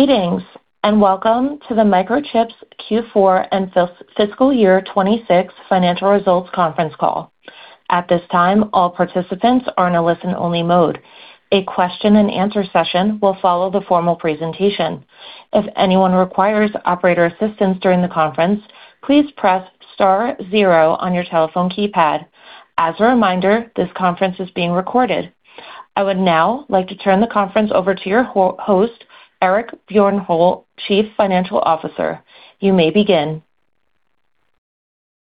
Greetings, and welcome to the Microchip's Q4 and fiscal year 2026 financial results conference call. At this time, all participants are in a listen-only mode. A question-and-answer session will follow the formal presentation. If anyone requires operator assistance during the conference, please press star 0 on your telephone keypad. As a reminder, this conference is being recorded. I would now like to turn the conference over to your host, Eric Bjornholt, Chief Financial Officer. You may begin.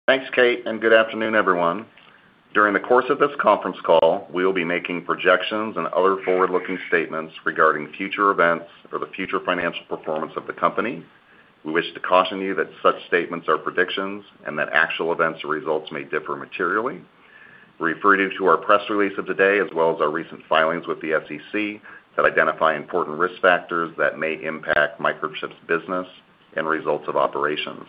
Thanks, Kate. Good afternoon, everyone. During the course of this conference call, we will be making projections and other forward-looking statements regarding future events or the future financial performance of the company. We wish to caution you that such statements are predictions and that actual events or results may differ materially. We refer you to our press release of today as well as our recent filings with the SEC that identify important risk factors that may impact Microchip's business and results of operations.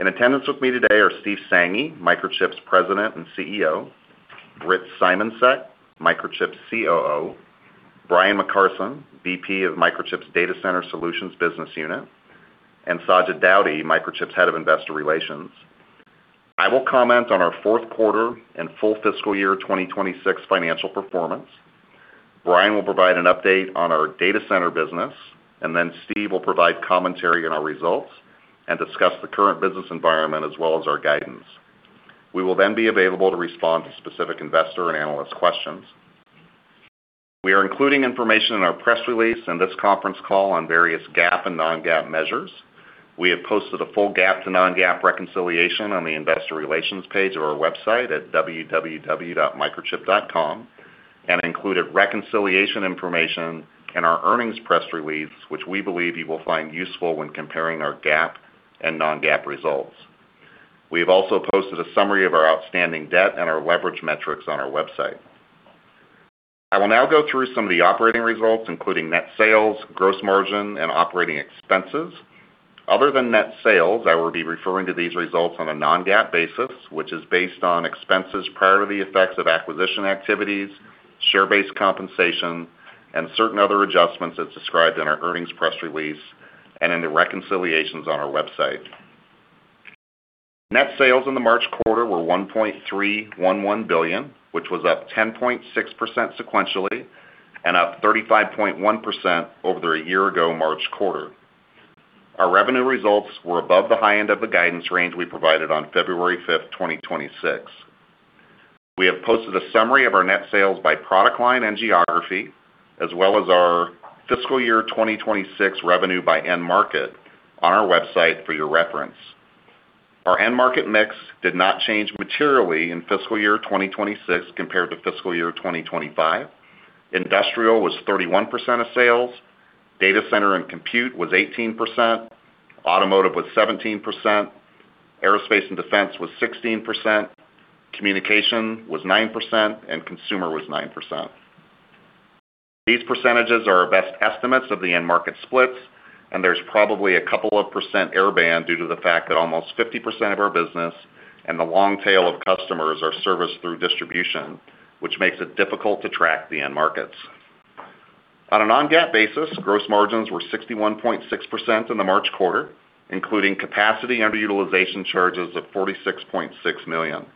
In attendance with me today are Steve Sanghi, Microchip's President and CEO, Rich Simoncic, Microchip's COO, Brian McCarson, VP of Microchip's Data Center Solutions Business Unit, and Sajid Daudi, Microchip's Head of Investor Relations. I will comment on our fourth quarter and full fiscal year 2026 financial performance. Brian will provide an update on our data center business, and then Steve will provide commentary on our results and discuss the current business environment as well as our guidance. We will then be available to respond to specific investor and analyst questions. We are including information in our press release and this conference call on various GAAP and non-GAAP measures. We have posted a full GAAP to non-GAAP reconciliation on the investor relations page of our website at www.microchip.com and included reconciliation information in our earnings press release, which we believe you will find useful when comparing our GAAP and non-GAAP results. We have also posted a summary of our outstanding debt and our leverage metrics on our website. I will now go through some of the operating results, including net sales, gross margin, and operating expenses. Other than net sales, I will be referring to these results on a non-GAAP basis, which is based on expenses prior to the effects of acquisition activities, share-based compensation, and certain other adjustments as described in our earnings press release and in the reconciliations on our website. Net sales in the March quarter were $1.311 billion, which was up 10.6% sequentially and up 35.1% over a year-ago March quarter. Our revenue results were above the high end of the guidance range we provided on February 5th, 2026. We have posted a summary of our net sales by product line and geography, as well as our fiscal year 2026 revenue by end market on our website for your reference. Our end market mix did not change materially in fiscal year 2026 compared to fiscal year 2025. Industrial was 31% of sales. Data Center and compute was 18%. Automotive was 17%. Aerospace and defense was 16%. Communication was 9%, and consumer was 9%. These percentages are our best estimates of the end market splits, and there's probably a couple of percent error band due to the fact that almost 50% of our business and the long tail of customers are serviced through distribution, which makes it difficult to track the end markets. On a non-GAAP basis, gross margins were 61.6% in the March quarter, including capacity underutilization charges of $46.6 million.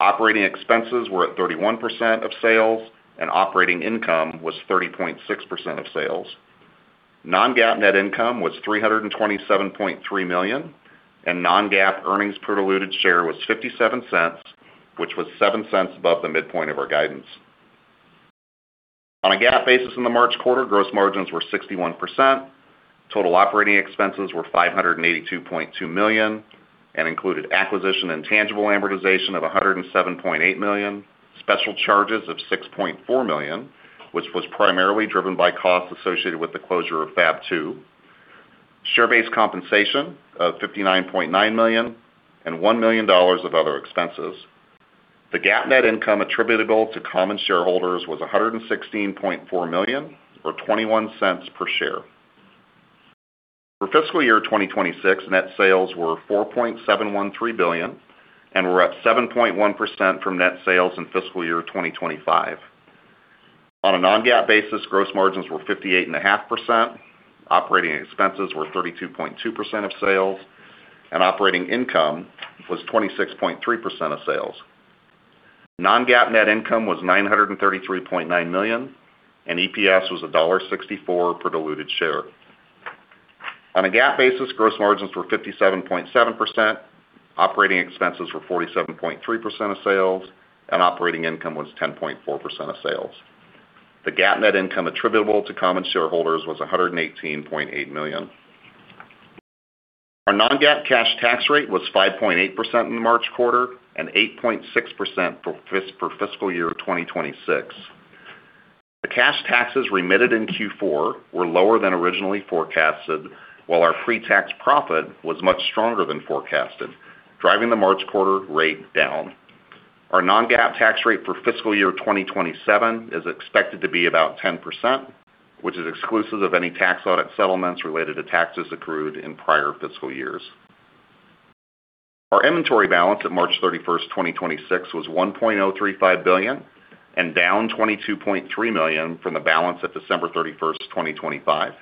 Operating expenses were at 31% of sales, and operating income was 30.6% of sales. Non-GAAP net income was $327.3 million, and non-GAAP earnings per diluted share was $0.57, which was $0.07 above the midpoint of our guidance. On a GAAP basis in the March quarter, gross margins were 61%. Total operating expenses were $582.2 million and included acquisition and tangible amortization of $107.8 million, special charges of $6.4 million, which was primarily driven by costs associated with the closure of Fab 2, share-based compensation of $59.9 million, and $1 million of other expenses. The GAAP net income attributable to common shareholders was $116.4 million or $0.21 per share. For fiscal year 2026, net sales were $4.713 billion and were up 7.1% from net sales in fiscal year 2025. On a non-GAAP basis, gross margins were 58.5%, operating expenses were 32.2% of sales, operating income was 26.3% of sales. Non-GAAP net income was $933.9 million, EPS was $1.64 per diluted share. On a GAAP basis, gross margins were 57.7%, operating expenses were 47.3% of sales, operating income was 10.4% of sales. The GAAP net income attributable to common shareholders was $118.8 million. Our non-GAAP cash tax rate was 5.8% in the March quarter and 8.6% for fiscal year 2026. The cash taxes remitted in Q4 were lower than originally forecasted, while our free tax profit was much stronger than forecasted, driving the March quarter rate down. Our non-GAAP tax rate for fiscal year 2027 is expected to be about 10%, which is exclusive of any tax audit settlements related to taxes accrued in prior fiscal years. Our inventory balance at March 31st, 2026, was $1.035 billion and down $22.3 million from the balance at December 31st, 2025.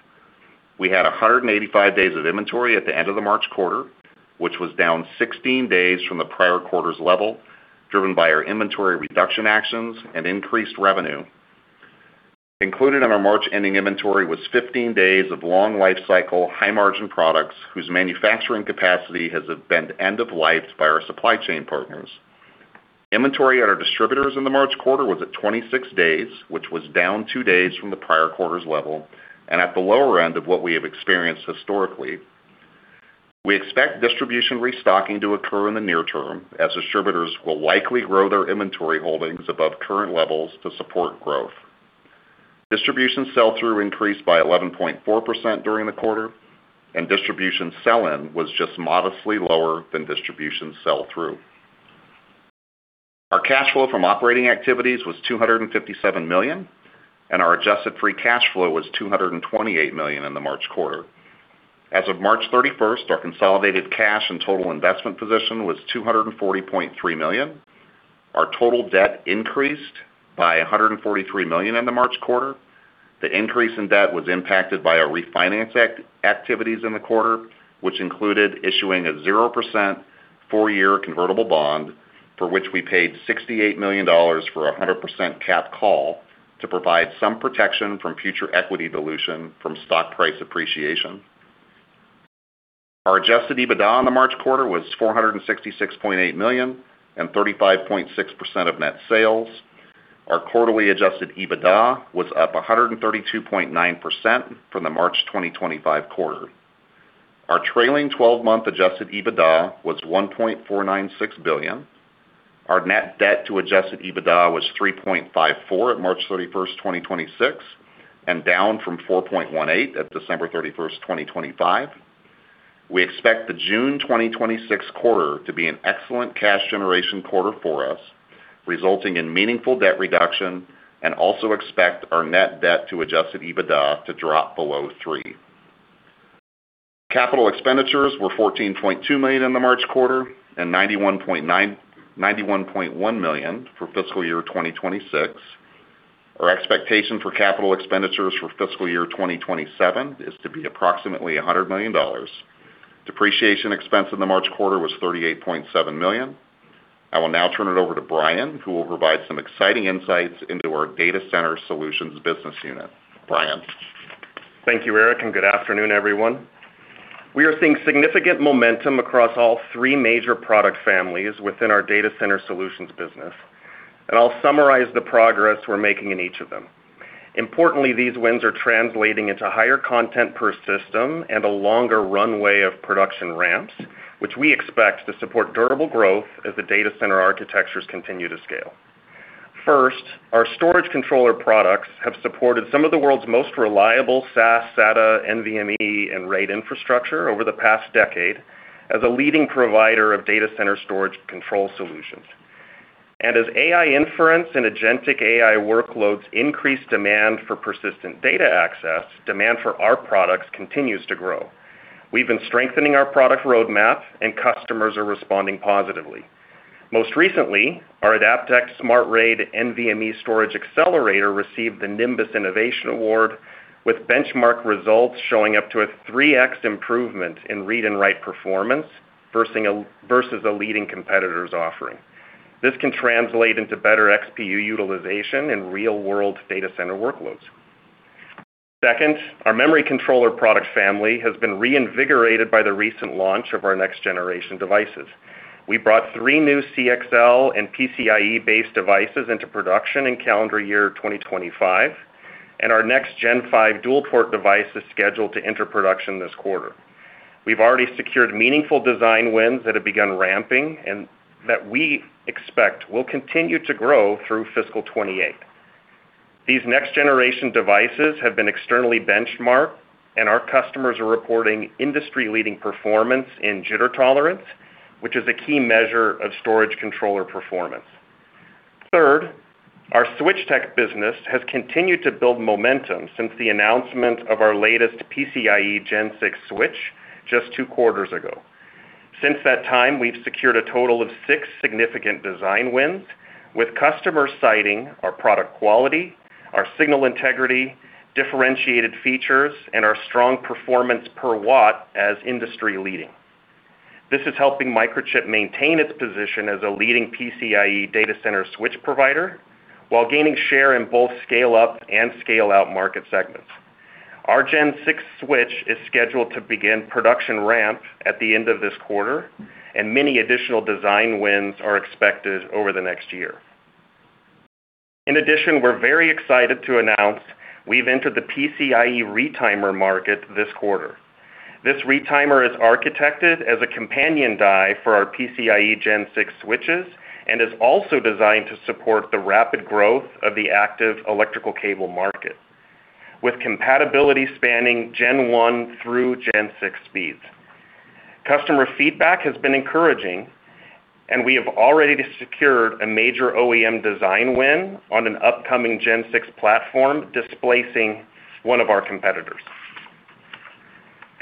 We had 185 days of inventory at the end of the March quarter, which was down 16 days from the prior quarter's level, driven by our inventory reduction actions and increased revenue. Included in our March ending inventory was 15 days of long lifecycle, high-margin products whose manufacturing capacity has been end-of-lifed by our supply chain partners. Inventory at our distributors in the March quarter was at 26 days, which was down two days from the prior quarter's level and at the lower end of what we have experienced historically. We expect distribution restocking to occur in the near term as distributors will likely grow their inventory holdings above current levels to support growth. Distribution sell-through increased by 11.4% during the quarter, and distribution sell-in was just modestly lower than distribution sell-through. Our cash flow from operating activities was $257 million, and our adjusted free cash flow was $228 million in the March quarter. As of March 31st, our consolidated cash and total investment position was $240.3 million. Our total debt increased by $143 million in the March quarter. The increase in debt was impacted by our refinance activities in the quarter, which included issuing a 0% four-year convertible bond for which we paid $68 million for a 100% cap call to provide some protection from future equity dilution from stock price appreciation. Our adjusted EBITDA in the March quarter was $466.8 million and 35.6% of net sales. Our quarterly adjusted EBITDA was up 132.9% from the March 2025 quarter. Our trailing twelve-month adjusted EBITDA was $1.496 billion. Our net debt to adjusted EBITDA was 3.54 at March 31st, 2026 and down from 4.18 at December 31st, 2025. We expect the June 2026 quarter to be an excellent cash generation quarter for us, resulting in meaningful debt reduction, and also expect our net debt to adjusted EBITDA to drop below three. Capital expenditures were $14.2 million in the March quarter and $91.1 million for fiscal year 2026. Our expectation for capital expenditures for fiscal year 2027 is to be approximately $100 million. Depreciation expense in the March quarter was $38.7 million. I will now turn it over to Brian, who will provide some exciting insights into our Data Center Solutions Business Unit. Brian? Thank you, Eric, and good afternoon, everyone. We are seeing significant momentum across all three major product families within our Data Center Solutions business, and I'll summarize the progress we're making in each of them. Importantly, these wins are translating into higher content per system and a longer runway of production ramps, which we expect to support durable growth as the data center architectures continue to scale. First, our storage controller products have supported some of the world's most reliable SAS, SATA, NVMe, and RAID infrastructure over the past decade as a leading provider of data center storage control solutions. As AI inference and agentic AI workloads increase demand for persistent data access, demand for our products continues to grow. We've been strengthening our product roadmap, and customers are responding positively. Most recently, our Adaptec SmartRAID NVMe storage accelerator received the Nimbus Innovation Award, with benchmark results showing up to a 3x improvement in read and write performance versus a leading competitor's offering. This can translate into better XPU utilization in real-world data center workloads. Second, our memory controller product family has been reinvigorated by the recent launch of our next-generation devices. We brought three new CXL and PCIe-based devices into production in calendar year 2025, and our next Gen 5 dual-port device is scheduled to enter production this quarter. We've already secured meaningful design wins that have begun ramping and that we expect will continue to grow through fiscal 2028. These next-generation devices have been externally benchmarked, and our customers are reporting industry-leading performance in jitter tolerance, which is a key measure of storage controller performance. Third, our Switchtec business has continued to build momentum since the announcement of our latest PCIe Gen 6 switch just two quarters ago. Since that time, we've secured a total of six significant design wins, with customers citing our product quality, our signal integrity, differentiated features, and our strong performance per watt as industry leading. This is helping Microchip maintain its position as a leading PCIe data center switch provider while gaining share in both scale-up and scale-out market segments. Our Gen 6 switch is scheduled to begin production ramp at the end of this quarter, and many additional design wins are expected over the next year. In addition, we're very excited to announce we've entered the PCIe retimer market this quarter. This retimer is architected as a companion die for our PCIe Gen 6 switches and is also designed to support the rapid growth of the active electrical cable market, with compatibility spanning Gen 1 through Gen 6 speeds. Customer feedback has been encouraging, and we have already secured a major OEM design win on an upcoming Gen 6 platform, displacing one of our competitors.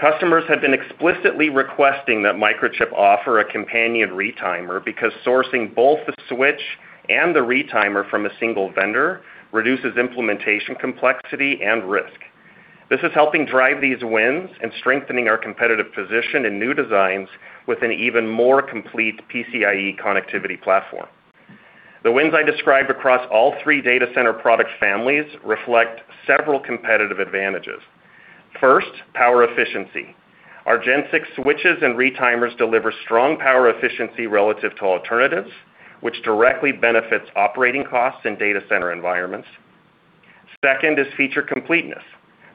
Customers have been explicitly requesting that Microchip offer a companion retimer because sourcing both the switch and the retimer from a single vendor reduces implementation complexity and risk. This is helping drive these wins and strengthening our competitive position in new designs with an even more complete PCIe connectivity platform. The wins I described across all three data center product families reflect several competitive advantages. First, power efficiency. Our Gen 6 switches and retimers deliver strong power efficiency relative to alternatives, which directly benefits operating costs in data center environments. Second is feature completeness.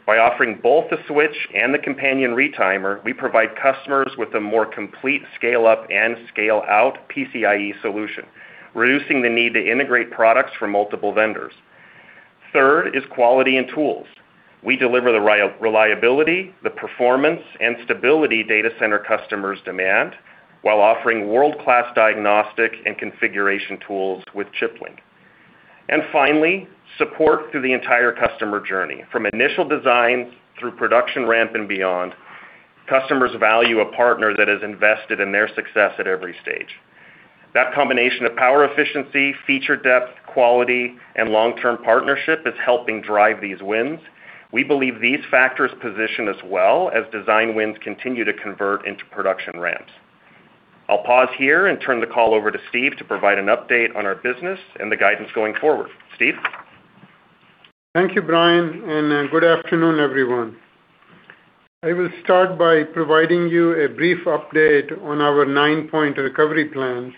By offering both the switch and the companion retimer, we provide customers with a more complete scale up and scale out PCIe solution, reducing the need to integrate products from multiple vendors. Third is quality and tools. We deliver the reliability, the performance and stability data center customers demand, while offering world-class diagnostic and configuration tools with ChipLink. Finally, support through the entire customer journey. From initial design through production ramp and beyond, customers value a partner that has invested in their success at every stage. That combination of power efficiency, feature depth, quality, and long-term partnership is helping drive these wins. We believe these factors position us well as design wins continue to convert into production ramps. I'll pause here and turn the call over to Steve to provide an update on our business and the guidance going forward. Steve? Thank you, Brian, and good afternoon, everyone. I will start by providing you a brief update on our nine-point recovery plan.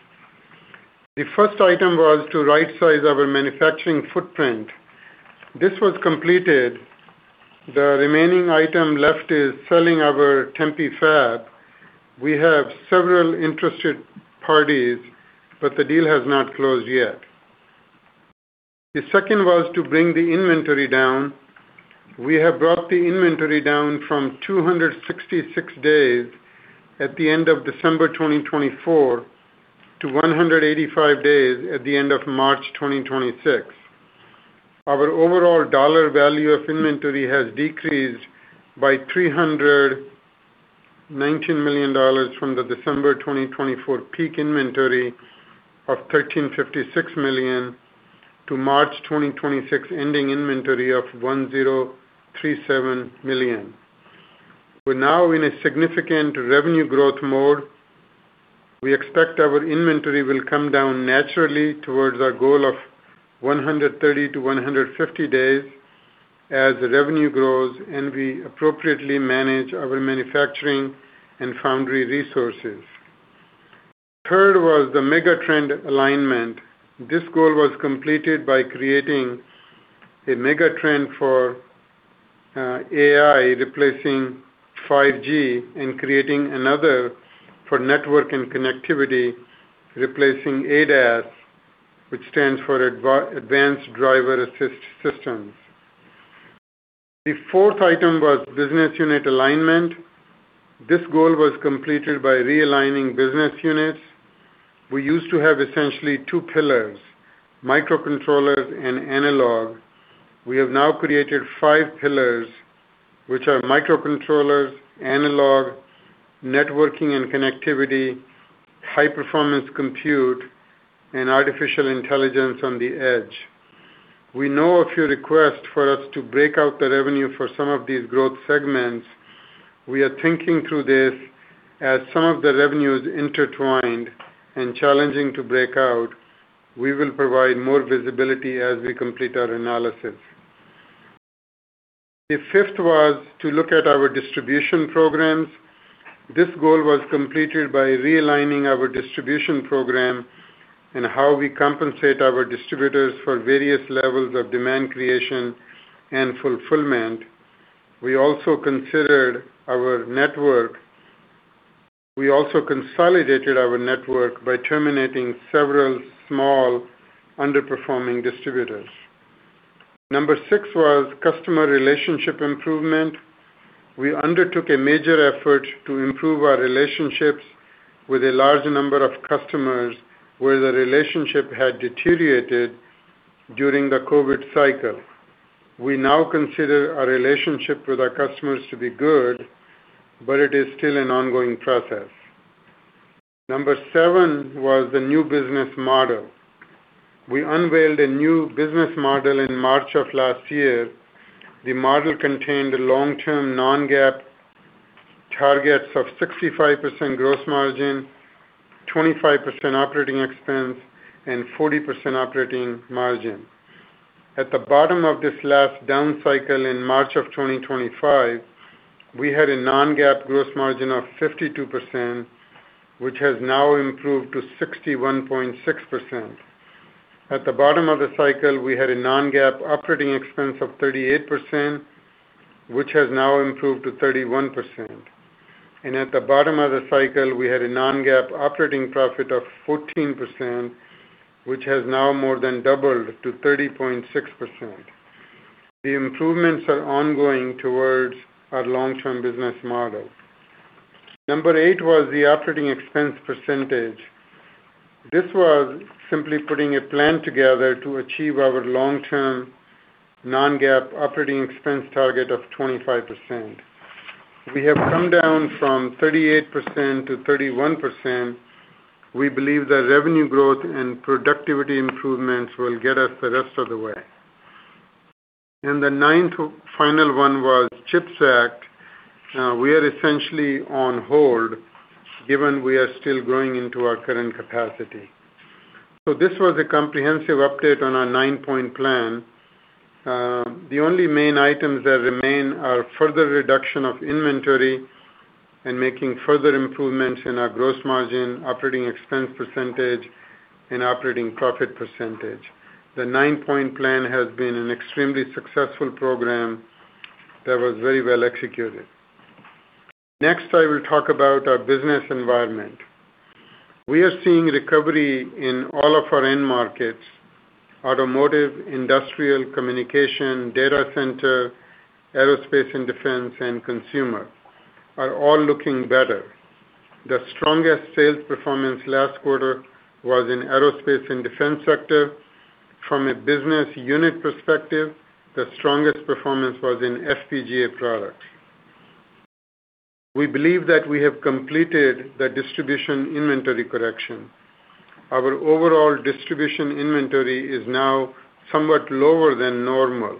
The first item was to rightsize our manufacturing footprint. This was completed. The remaining item left is selling our Tempe fab. We have several interested parties, but the deal has not closed yet. The second was to bring the inventory down. We have brought the inventory down from 266 days at the end of December 2024 to 185 days at the end of March 2026. Our overall dollar value of inventory has decreased by $319 million from the December 2024 peak inventory of $1,356 million to March 2026 ending inventory of $1,037 million. We're now in a significant revenue growth mode. We expect our inventory will come down naturally towards our goal of 130 to 150 days as revenue grows and we appropriately manage our manufacturing and foundry resources. Third was the mega trend alignment. This goal was completed by creating a mega trend for AI, replacing 5G and creating another for Network and Connectivity, replacing ADAS, which stands for Advanced Driver Assistance Systems. The fourth item was business unit alignment. This goal was completed by realigning business units. We used to have essentially two pillars, Microcontrollers and Analog. We have now created five pillars, which are Microcontrollers, Analog, Networking and Connectivity, High-Performance Compute, and Artificial Intelligence on the Edge. We know of your request for us to break out the revenue for some of these growth segments. We are thinking through this as some of the revenue is intertwined and challenging to break out. We will provide more visibility as we complete our analysis. The fifth was to look at our distribution programs. This goal was completed by realigning our distribution program and how we compensate our distributors for various levels of demand creation and fulfillment. We also considered our network. We also consolidated our network by terminating several small underperforming distributors. Number six was customer relationship improvement. We undertook a major effort to improve our relationships with a large number of customers where the relationship had deteriorated during the COVID cycle. We now consider our relationship with our customers to be good, but it is still an ongoing process. Number seven was the new business model. We unveiled a new business model in March of last year. The model contained long-term non-GAAP targets of 65% gross margin, 25% operating expense, and 40% operating margin. At the bottom of this last down cycle in March 2025, we had a non-GAAP gross margin of 52%, which has now improved to 61.6%. At the bottom of the cycle, we had a non-GAAP operating expense of 38%, which has now improved to 31%. At the bottom of the cycle, we had a non-GAAP operating profit of 14%, which has now more than doubled to 30.6%. The improvements are ongoing towards our long-term business model. Number 8 was the operating expense percentage. This was simply putting a plan together to achieve our long-term non-GAAP operating expense target of 25%. We have come down from 38% to 31%. We believe that revenue growth and productivity improvements will get us the rest of the way. The 9th final one was CHIPS Act. We are essentially on hold given we are still growing into our current capacity. This was a comprehensive update on our nine-point plan. The only main items that remain are further reduction of inventory and making further improvements in our gross margin, operating expense percentage, and operating profit percentage. The nine-point plan has been an extremely successful program that was very well executed. Next, I will talk about our business environment. We are seeing recovery in all of our end markets, automotive, industrial, communication, data center, aerospace and defense, and consumer are all looking better. The strongest sales performance last quarter was in aerospace and defense sector. From a business unit perspective, the strongest performance was in FPGA products. We believe that we have completed the distribution inventory correction. Our overall distribution inventory is now somewhat lower than normal.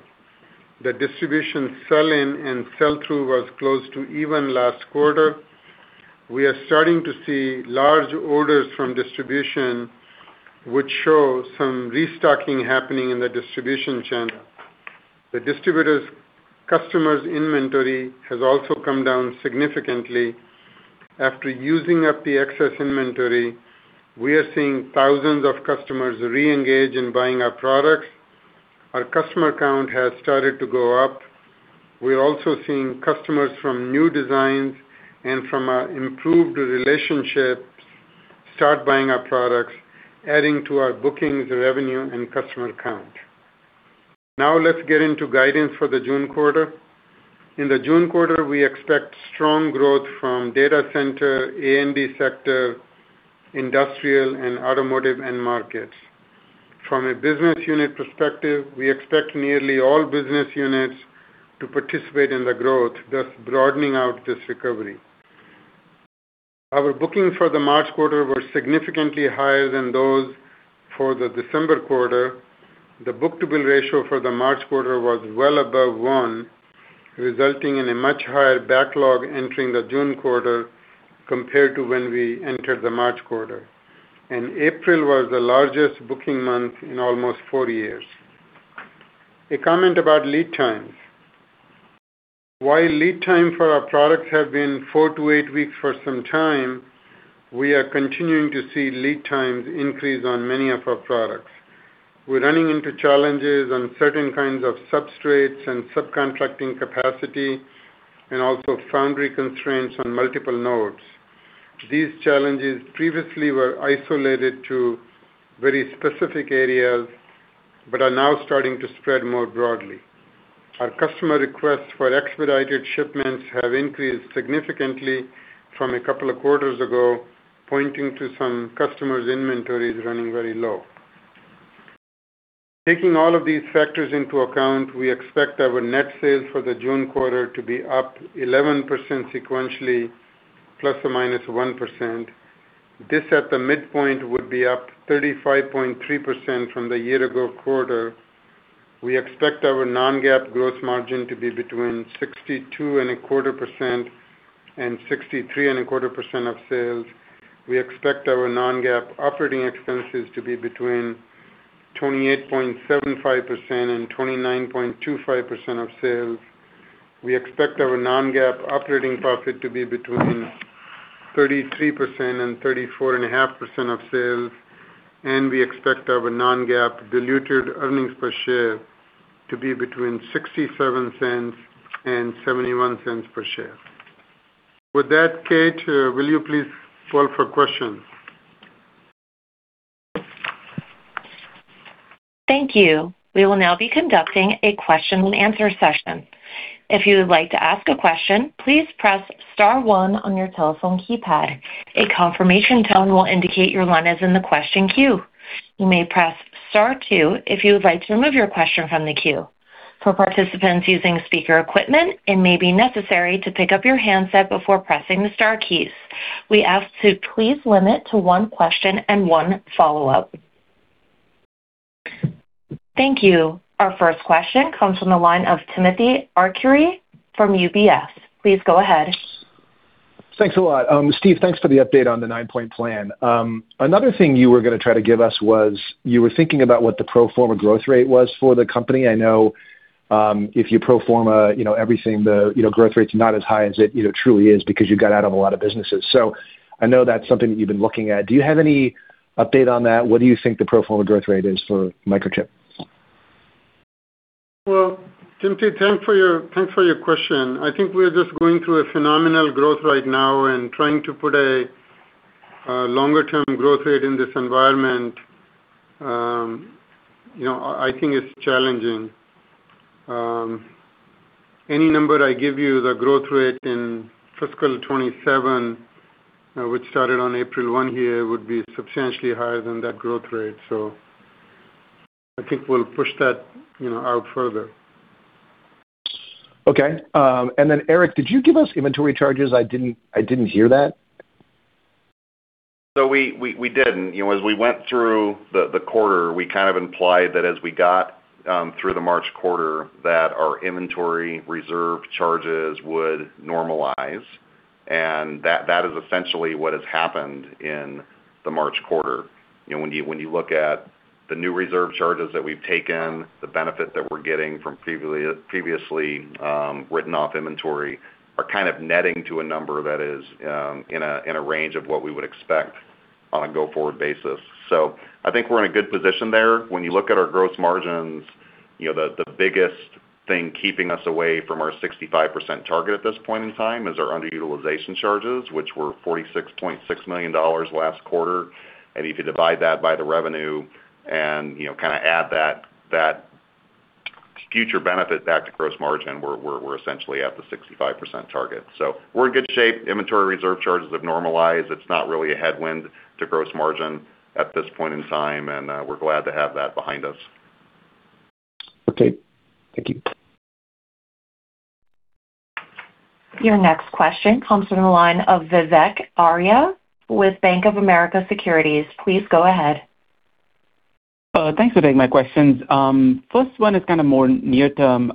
The distribution sell-in and sell-through was close to even last quarter. We are starting to see large orders from distribution, which show some restocking happening in the distribution channel. The distributors customers' inventory has also come down significantly. After using up the excess inventory, we are seeing thousands of customers reengage in buying our products. Our customer count has started to go up. We're also seeing customers from new designs and from our improved relationships start buying our products, adding to our bookings, revenue, and customer count. Let's get into guidance for the June quarter. In the June quarter, we expect strong growth from data center, A&D sector, industrial, and automotive end markets. From a business unit perspective, we expect nearly all business units to participate in the growth, thus broadening out this recovery. Our bookings for the March quarter were significantly higher than those for the December quarter. The book-to-bill ratio for the March quarter was well above one, resulting in a much higher backlog entering the June quarter compared to when we entered the March quarter. April was the largest booking month in almost four years. A comment about lead times. While lead time for our products have been four to eight weeks for some time, we are continuing to see lead times increase on many of our products. We're running into challenges on certain kinds of substrates and subcontracting capacity and also foundry constraints on multiple nodes. These challenges previously were isolated to very specific areas but are now starting to spread more broadly. Our customer requests for expedited shipments have increased significantly from a couple of quarters ago, pointing to some customers' inventories running very low. Taking all of these factors into account, we expect our net sales for the June quarter to be up 11% sequentially, ±1%. This, at the midpoint, would be up 35.3% from the year-ago quarter. We expect our non-GAAP gross margin to be between 62.25% and 63.25% of sales. We expect our non-GAAP operating expenses to be between 28.75% and 29.25% of sales. We expect our non-GAAP operating profit to be between 33% and 34.5% of sales, and we expect our non-GAAP diluted earnings per share to be between $0.67 and $0.71 per share. With that, Kate, will you please call for questions? Thank you. We will now be conducting a question and answer session. If you would like to ask a question, please press star one on your telephone keypad. A confirmation tone will indicate your line is in the question queue. You may press star two if you would like to remove your question from the queue. For participants using speaker equipment, it may be necessary to pick up your handset before pressing the star keys. We ask to please limit to one question and one follow-up. Thank you. Our first question comes from the line of Timothy Arcuri from UBS. Please go ahead. Thanks a lot. Steve, thanks for the update on the nine-point plan. Another thing you were gonna try to give us was you were thinking about what the pro forma growth rate was for the company. I know, if you pro forma, you know, everything, the, you know, growth rate's not as high as it, you know, truly is because you got out of a lot of businesses. I know that's something that you've been looking at. Do you have any update on that? What do you think the pro forma growth rate is for Microchip? Well, Timothy, thanks for your question. I think we're just going through a phenomenal growth right now and trying to put a longer term growth rate in this environment, you know, I think is challenging. Any number I give you, the growth rate in fiscal 2027, which started on April 1 here, would be substantially higher than that growth rate. I think we'll push that, you know, out further. Okay. Eric, did you give us inventory charges? I didn't hear that. We didn't. You know, as we went through the quarter, we kind of implied that as we got through the March quarter, that our inventory reserve charges would normalize. That is essentially what has happened in the March quarter. You know, when you look at the new reserve charges that we've taken, the benefit that we're getting from previously written off inventory, are kind of netting to a number that is in a range of what we would expect on a go-forward basis. I think we're in a good position there. When you look at our gross margins, you know, the biggest thing keeping us away from our 65% target at this point in time is our underutilization charges, which were $46.6 million last quarter. If you divide that by the revenue and, you know, kinda add that future benefit back to gross margin, we're essentially at the 65% target. We're in good shape. Inventory reserve charges have normalized. It's not really a headwind to gross margin at this point in time, we're glad to have that behind us. Okay. Thank you. Your next question comes from the line of Vivek Arya with Bank of America Securities. Please go ahead. Thanks for taking my questions. First one is kinda more near term.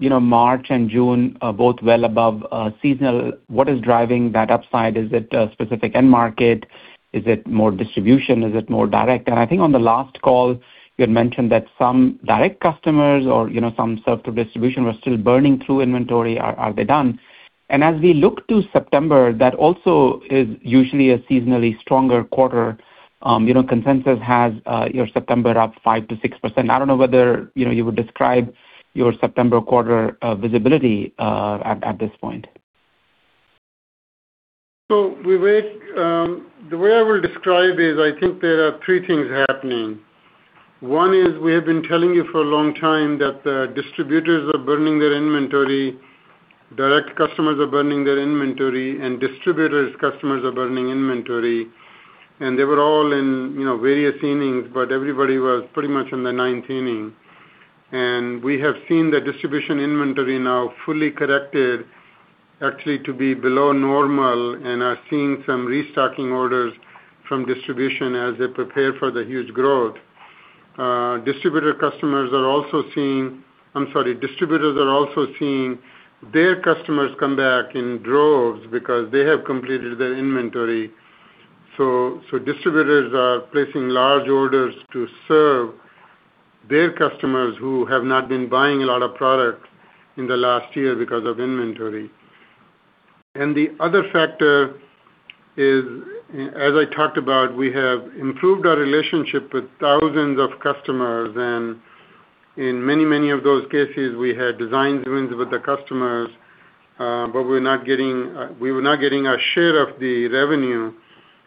You know, March and June are both well above seasonal. What is driving that upside? Is it a specific end market? Is it more distribution? Is it more direct? I think on the last call, you had mentioned that some direct customers or, you know, some sell-to distribution were still burning through inventory. Are they done? As we look to September, that also is usually a seasonally stronger quarter. You know, consensus has your September up 5%-6%. I don't know whether, you know, you would describe your September quarter visibility at this point? Vivek, the way I will describe is I think there are three things happening. one is we have been telling you for a long time that the distributors are burning their inventory, direct customers are burning their inventory, and distributors' customers are burning inventory. They were all in, you know, various innings, but everybody was pretty much in the ninth inning. We have seen the distribution inventory now fully corrected actually to be below normal and are seeing some restocking orders from distribution as they prepare for the huge growth. Distributors are also seeing their customers come back in droves because they have completed their inventory. Distributors are placing large orders to serve their customers who have not been buying a lot of product in the last year because of inventory. The other factor is, as I talked about, we have improved our relationship with thousands of customers, and in many, many of those cases, we had design wins with the customers, but we were not getting our share of the revenue.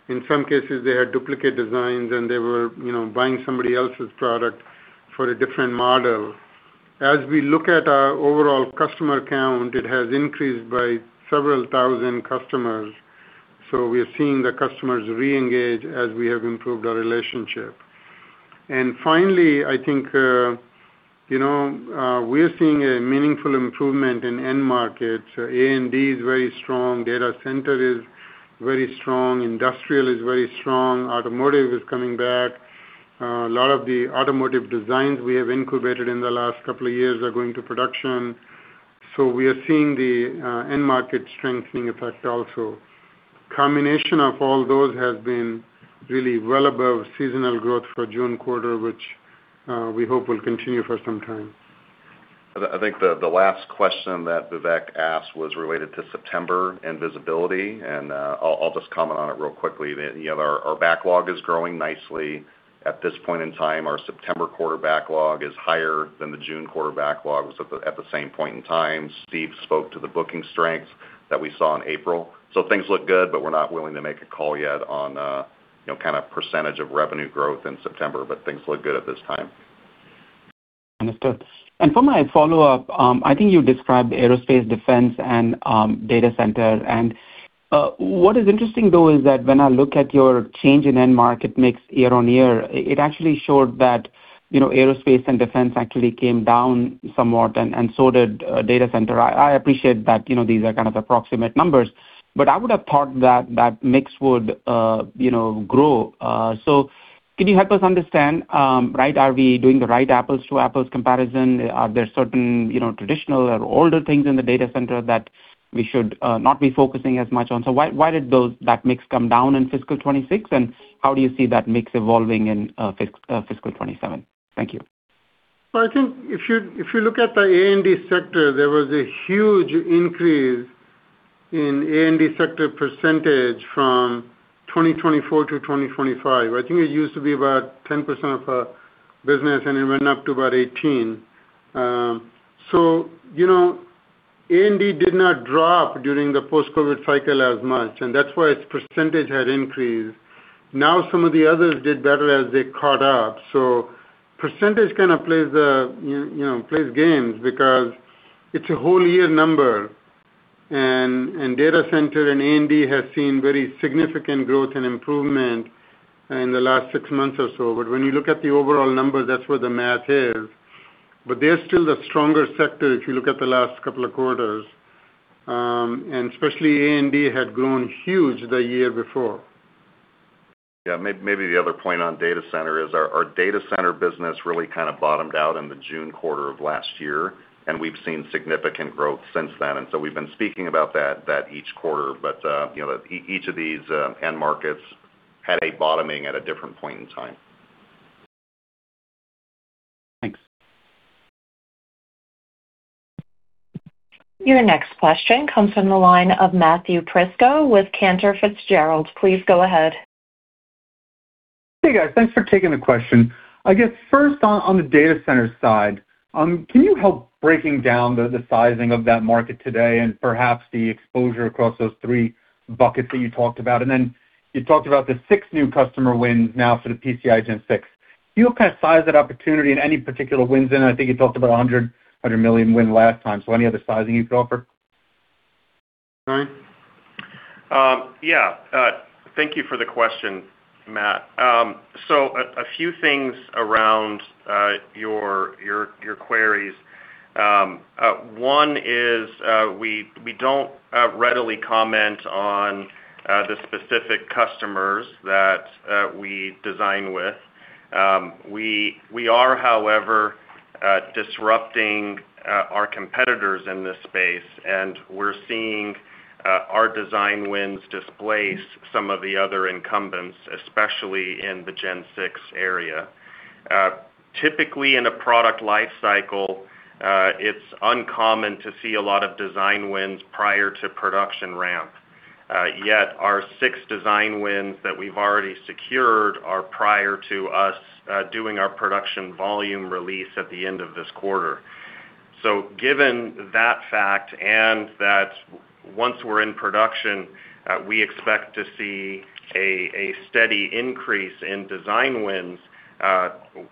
In some cases, they had duplicate designs, and they were, you know, buying somebody else's product for a different model. As we look at our overall customer count, it has increased by several thousand customers. We are seeing the customers reengage as we have improved our relationship. Finally, I think, you know, we're seeing a meaningful improvement in end markets. A&D is very strong. Data center is very strong. Industrial is very strong. Automotive is coming back. A lot of the automotive designs we have incubated in the last couple of years are going to production. We are seeing the end market strengthening effect also. Combination of all those has been really well above seasonal growth for June quarter, which we hope will continue for some time. I think the last question that Vivek asked was related to September and visibility, and I'll just comment on it real quickly. You know, our backlog is growing nicely. At this point in time, our September quarter backlog is higher than the June quarter backlog was at the same point in time. Steve spoke to the booking strength that we saw in April. Things look good, but we're not willing to make a call yet on, you know, kind of percentage of revenue growth in September. Things look good at this time. Understood. For my follow-up, I think you described aerospace and defense and data center. What is interesting though is that when I look at your change in end market mix year-over-year, it actually showed that, you know, aerospace and defense actually came down somewhat and so did data center. I appreciate that, you know, these are kind of approximate numbers, but I would have thought that that mix would, you know, grow. Can you help us understand, right, are we doing the right apples-to-apples comparison? Are there certain, you know, traditional or older things in the data center that we should not be focusing as much on? Why did that mix come down in fiscal 2026, and how do you see that mix evolving in fiscal 2027? Thank you. I think if you look at the A&D sector, there was a huge increase in A&D sector percentage from 2024 to 2025. I think it used to be about 10% of our business, and it went up to about 18. So, you know, A&D did not drop during the post-COVID cycle as much, and that's why its percentage had increased. Now some of the others did better as they caught up. Percentage kind of plays, you know, plays games because it's a whole year number. Data center and A&D have seen very significant growth and improvement in the last 6 months or so. When you look at the overall numbers, that's where the math is. They're still the stronger sector if you look at the last couple of quarters, and especially A&D had grown huge the year before. Maybe the other point on Data Center is our Data Center business really kind of bottomed out in the June quarter of last year, and we've seen significant growth since then. We've been speaking about that each quarter. You know, each of these end markets had a bottoming at a different point in time. Thanks. Your next question comes from the line of Matthew Prisco with Cantor Fitzgerald. Please go ahead. Hey, guys. Thanks for taking the question. I guess first on the data center side, can you help breaking down the sizing of that market today and perhaps the exposure across those three buckets that you talked about? Then you talked about the six new customer wins now for the PCIe Gen 6. Can you kind of size that opportunity in any particular wins in? I think you talked about a $100 million win last time. Any other sizing you could offer? Brian? Yeah. Thank you for the question, Matt. A few things around your queries. One is we don't readily comment on the specific customers that we design with. We are, however, disrupting our competitors in this space, and we're seeing our design wins displace some of the other incumbents, especially in the Gen 6 area. Typically, in a product life cycle, it's uncommon to see a lot of design wins prior to production ramp. Yet our six design wins that we've already secured are prior to us doing our production volume release at the end of this quarter. Given that fact, and that once we're in production, we expect to see a steady increase in design wins,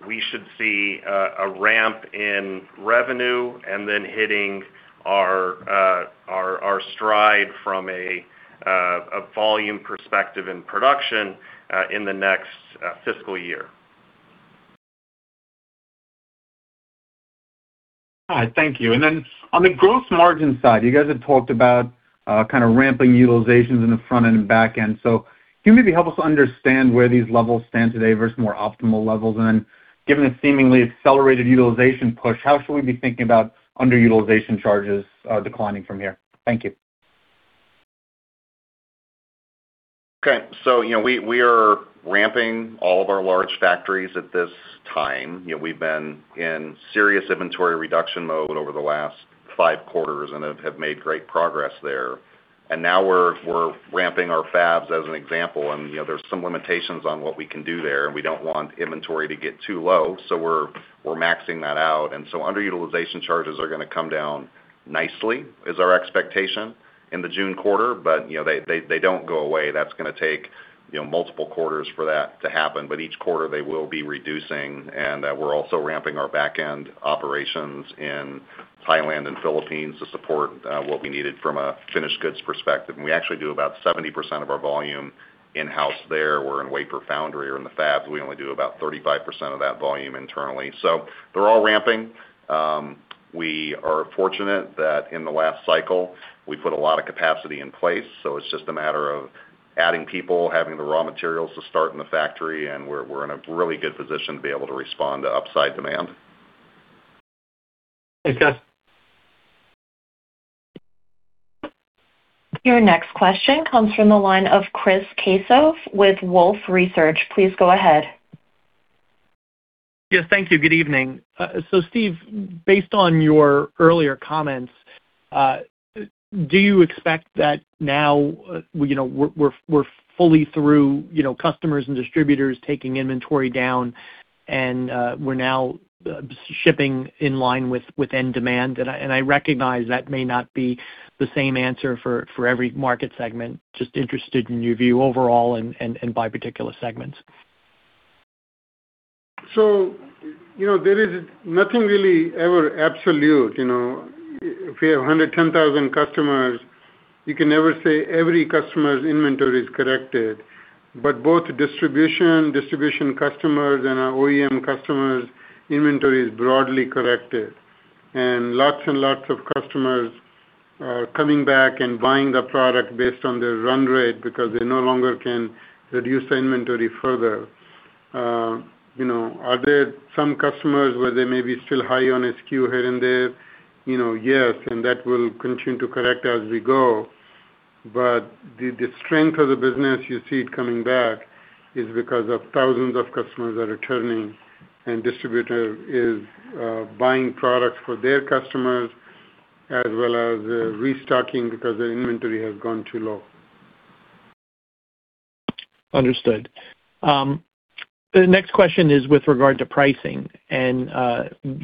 we should see a ramp in revenue and then hitting our stride from a volume perspective in production, in the next fiscal year. All right, thank you. On the gross margin side, you guys had talked about kind of ramping utilizations in the front end and back end. Can you maybe help us understand where these levels stand today versus more optimal levels? Given the seemingly accelerated utilization push, how should we be thinking about underutilization charges declining from here? Thank you. You know, we are ramping all of our large factories at this time. You know, we've been in serious inventory reduction mode over the last five quarters and have made great progress there. Now we're ramping our fabs as an example, and, you know, there's some limitations on what we can do there, and we don't want inventory to get too low, so we're maxing that out. Underutilization charges are gonna come down nicely, is our expectation in the June quarter. You know, they don't go away. That's gonna take, you know, multiple quarters for that to happen, but each quarter they will be reducing. We're also ramping our back-end operations in Thailand and Philippines to support what we needed from a finished goods perspective. We actually do about 70% of our volume in-house there. We're in wafer foundry or in the fabs, we only do about 35% of that volume internally. They're all ramping. We are fortunate that in the last cycle, we put a lot of capacity in place, so it's just a matter of adding people, having the raw materials to start in the factory, and we're in a really good position to be able to respond to upside demand. Thanks, guys. Your next question comes from the line of Chris Caso with Wolfe Research. Please go ahead. Yes, thank you. Good evening. Steve, based on your earlier comments, do you expect that now, you know, we're fully through, you know, customers and distributors taking inventory down and we're now shipping in line with end demand? I recognize that may not be the same answer for every market segment. Just interested in your view overall and by particular segments. You know, there is nothing really ever absolute, you know. If you have 110,000 customers, you can never say every customer's inventory is corrected. Both distribution customers and our OEM customers' inventory is broadly corrected. Lots and lots of customers are coming back and buying the product based on their run rate because they no longer can reduce the inventory further. You know, are there some customers where they may be still high on SKU here and there? You know, yes, and that will continue to correct as we go. The strength of the business you see it coming back is because of thousands of customers that are returning and distributor is buying products for their customers as well as restocking because their inventory has gone too low. Understood. The next question is with regard to pricing.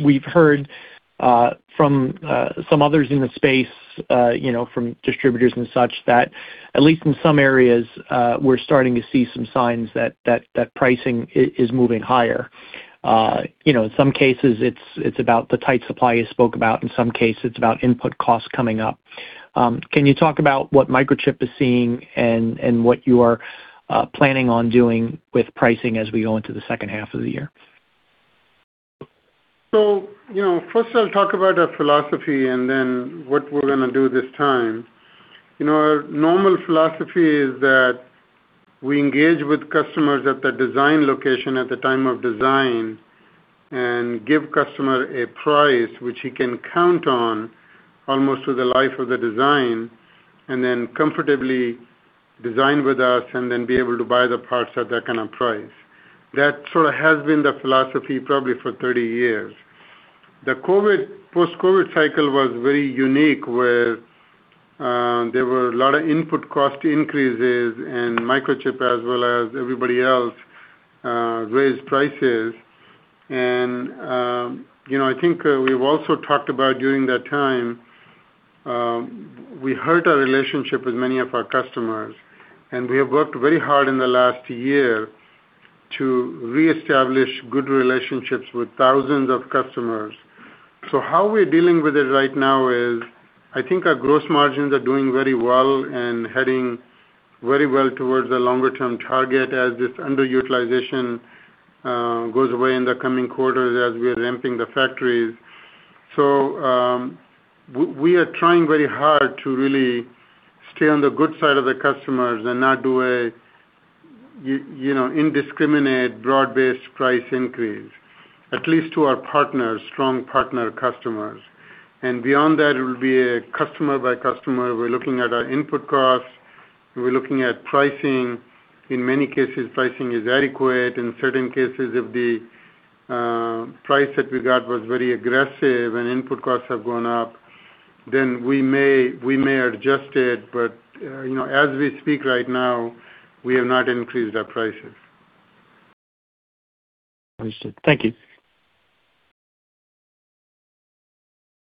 We've heard from some others in the space, you know, from distributors and such that at least in some areas, we're starting to see some signs that pricing is moving higher. You know, in some cases, it's about the tight supply you spoke about. In some cases, it's about input costs coming up. Can you talk about what Microchip is seeing and what you are planning on doing with pricing as we go into the second half of the year? You know, first I'll talk about our philosophy and then what we're gonna do this time. Our normal philosophy is that we engage with customers at the design location at the time of design and give customer a price which he can count on almost through the life of the design, and then comfortably design with us and then be able to buy the parts at that kind of price. That sort of has been the philosophy probably for 30 years. The COVID, post-COVID cycle was very unique, where there were a lot of input cost increases, and Microchip as well as everybody else raised prices. You know, I think, we've also talked about during that time, we hurt our relationship with many of our customers, and we have worked very hard in the last year to reestablish good relationships with thousands of customers. How we're dealing with it right now is, I think our gross margins are doing very well and heading very well towards the longer-term target as this underutilization goes away in the coming quarters as we are ramping the factories. We are trying very hard to really stay on the good side of the customers and not do a you know, indiscriminate broad-based price increase, at least to our partners, strong partner customers. Beyond that, it will be a customer by customer. We're looking at our input costs. We're looking at pricing. In many cases, pricing is adequate. In certain cases, if the price that we got was very aggressive and input costs have gone up, then we may adjust it. You know, as we speak right now, we have not increased our prices. Understood. Thank you.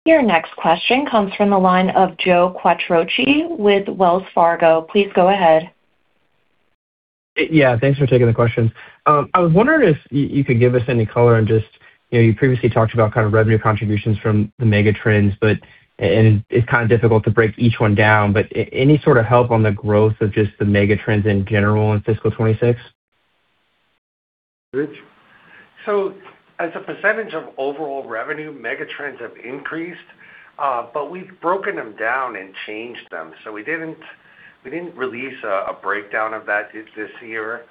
Your next question comes from the line of Joe Quatrochi with Wells Fargo. Please go ahead. Yeah, thanks for taking the question. I was wondering if you could give us any color on just, you know, you previously talked about kind of revenue contributions from the mega trends, but it's kind of difficult to break each one down, but any sort of help on the growth of just the mega trends in general in fiscal 2026? Rich? As a percentage of overall revenue, mega trends have increased, but we've broken them down and changed them. We didn't release a breakdown of that this year,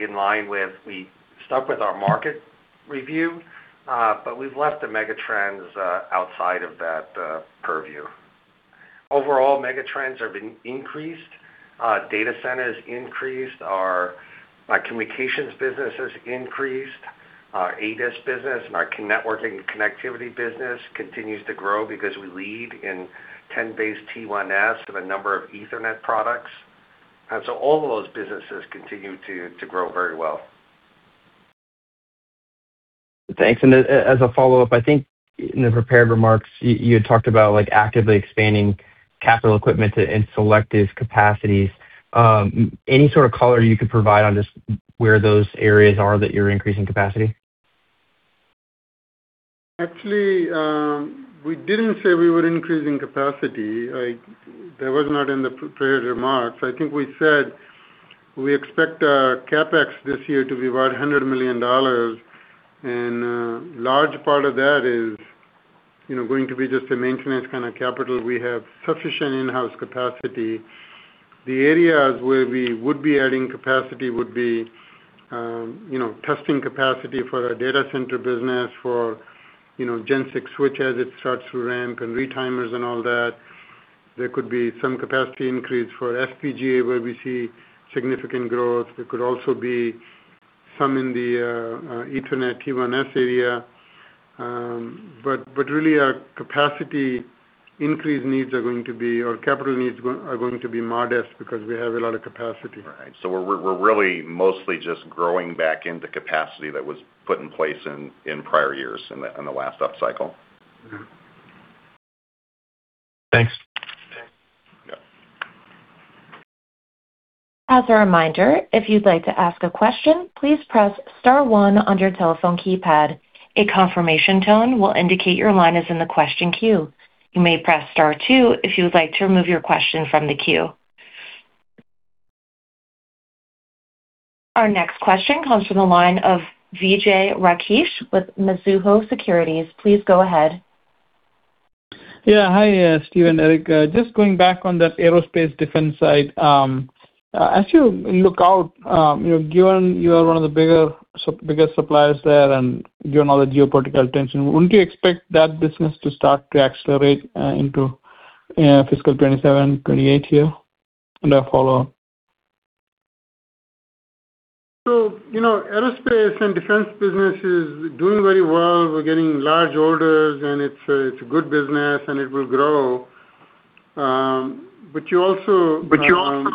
in line with we stuck with our market review, but we've left the mega trends outside of that purview. Overall, mega trends have been increased. Data centers increased. Our communications business has increased. Our ADAS business and our networking and connectivity business continues to grow because we lead in 10BASE-T1S of a number of Ethernet products. All of those businesses continue to grow very well. Thanks. As a follow-up, I think in the prepared remarks, you had talked about, like, actively expanding capital equipment in selective capacities. Any sort of color you could provide on just where those areas are that you're increasing capacity? Actually, we didn't say we were increasing capacity. Like, that was not in the prepared remarks. I think we said we expect our CapEx this year to be about $100 million. Large part of that is, you know, going to be just a maintenance kind of capital. We have sufficient in-house capacity. The areas where we would be adding capacity would be, you know, testing capacity for our data center business for, you know, Gen 6 switch as it starts to ramp and retimers and all that. There could be some capacity increase for FPGA, where we see significant growth. There could also be some in the Ethernet 10BASE-T1S area. Really our capacity increase needs are going to be or capital needs are going to be modest because we have a lot of capacity. Right. We're really mostly just growing back into capacity that was put in place in prior years in the last upcycle. Thanks. Yeah. As a reminder, if you'd like to ask a question, please press star one on your telephone keypad. A confirmation tone will indicate your line is in the question queue. You may press star two if you would like to remove your question from the queue. Our next question comes from the line of Vijay Rakesh with Mizuho Securities. Please go ahead. Hi, Steve and Eric. Just going back on that aerospace defense side, as you look out, you know, given you are one of the biggest suppliers there and given all the geopolitical tension, wouldn't you expect that business to start to accelerate into fiscal 2027, 2028 here? A follow-up. You know, aerospace and defense business is doing very well. We're getting large orders, and it's a good business, and it will grow. But you also-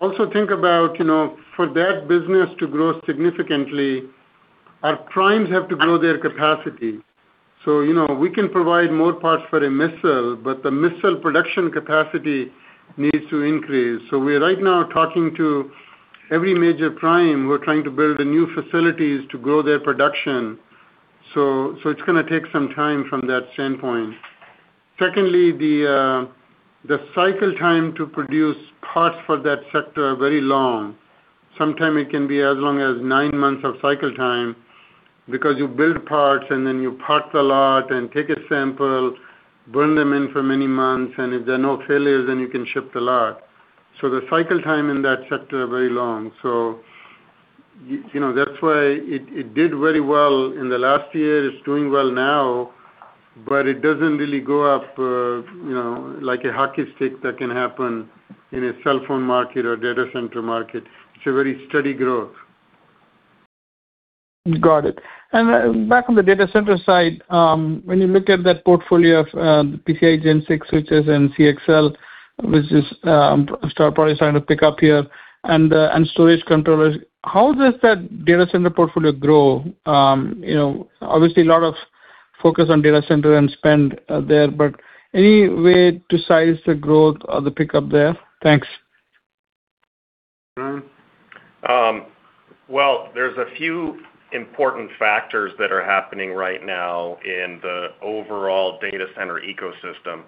Also think about, you know, for that business to grow significantly, our primes have to grow their capacity. You know, we can provide more parts for a missile, but the missile production capacity needs to increase. We're right now talking to every major prime. We're trying to build new facilities to grow their production. It's gonna take some time from that standpoint. Secondly, the cycle time to produce parts for that sector are very long. Sometimes it can be as long as nine months of cycle time because you build parts and then you park the lot and take a sample, burn them in for many months, and if there are no failures, then you can ship the lot. The cycle time in that sector are very long. You know, that's why it did very well in the last year. It's doing well now, but it doesn't really go up, you know, like a hockey stick that can happen in a cell phone market or data center market. It's a very steady growth. Got it. Back on the data center side, when you look at that portfolio of PCIe Gen 6 switches and CXL, which is star product starting to pick up here and storage controllers, how does that data center portfolio grow? You know, obviously a lot of focus on data center and spend there, but any way to size the growth or the pickup there? Thanks. Well, there's a few important factors that are happening right now in the overall data center ecosystem.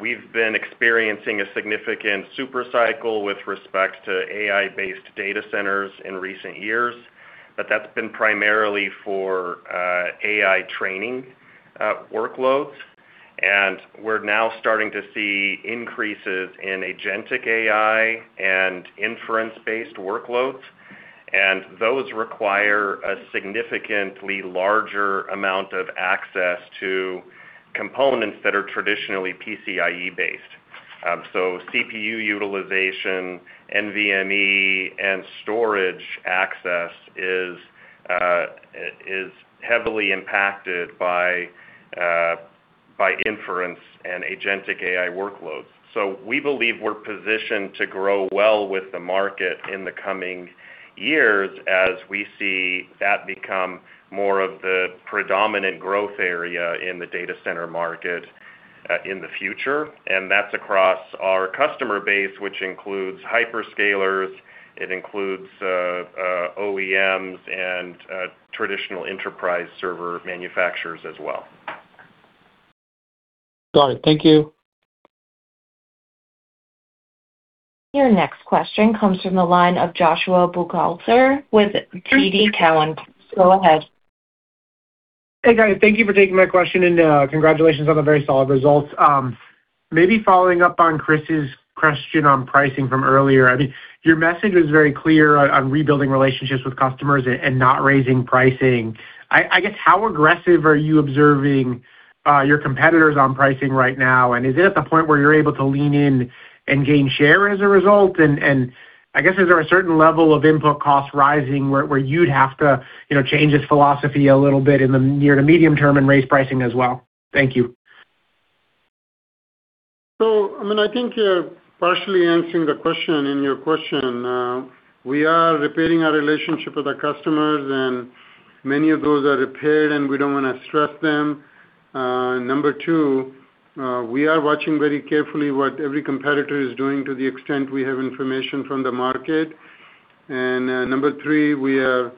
We've been experiencing a significant super cycle with respect to AI-based data centers in recent years, but that's been primarily for AI training workloads. We're now starting to see increases in agentic AI and inference-based workloads, and those require a significantly larger amount of access to components that are traditionally PCIe-based. CPU utilization, NVMe, and storage access is heavily impacted by inference and agentic AI workloads. We believe we're positioned to grow well with the market in the coming years as we see that become more of the predominant growth area in the data center market in the future. That's across our customer base, which includes hyperscalers. It includes OEMs and traditional enterprise server manufacturers as well. Got it. Thank you. Your next question comes from the line of Joshua Buchalter with TD Cowen. Go ahead. Hey, guys. Thank you for taking my question. Congratulations on the very solid results. Maybe following up on Chris's question on pricing from earlier, I mean, your message was very clear on rebuilding relationships with customers and not raising pricing. I guess, how aggressive are you observing your competitors on pricing right now? Is it at the point where you're able to lean in and gain share as a result? I guess, is there a certain level of input costs rising where you'd have to, you know, change this philosophy a little bit in the near to medium term and raise pricing as well? Thank you. I mean, I think you're partially answering the question in your question. We are repairing our relationship with our customers, and many of those are repaired, and we don't wanna stress them. Number 2, we are watching very carefully what every competitor is doing to the extent we have information from the market. Number 3, we have,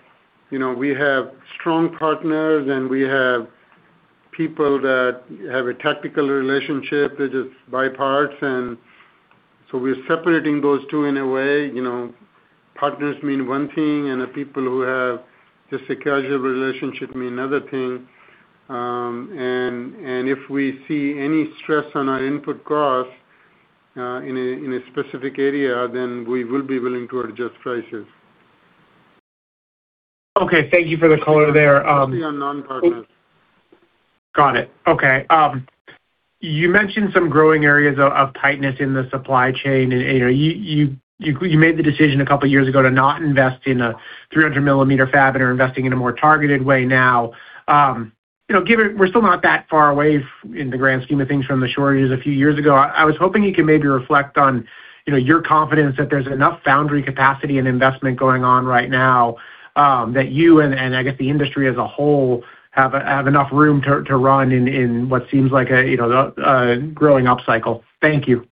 you know, we have strong partners, and we have people that have a tactical relationship. They just buy parts. We're separating those two in a way, you know. Partners mean one thing, and the people who have just a casual relationship mean another thing. If we see any stress on our input costs, in a specific area, then we will be willing to adjust prices. Okay. Thank you for the color there. Especially on non-partners. Got it. Okay. You mentioned some growing areas of tightness in the supply chain. You know, you made the decision a couple years ago to not invest in a 300 mm fab and are investing in a more targeted way now. You know, given we're still not that far away in the grand scheme of things from the shortages a few years ago, I was hoping you could maybe reflect on, you know, your confidence that there's enough foundry capacity and investment going on right now, that you and I guess the industry as a whole have enough room to run in what seems like a, you know, a growing upcycle. Thank you.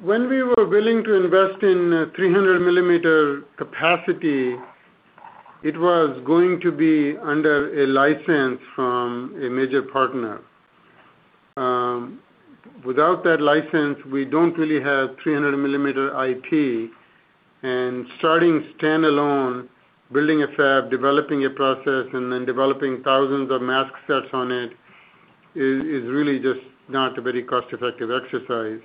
When we were willing to invest in 300 mm capacity, it was going to be under a license from a major partner. Without that license, we don't really have 300 mm IT. Starting standalone, building a fab, developing a process, and then developing thousands of mask sets on it is really just not a very cost-effective exercise.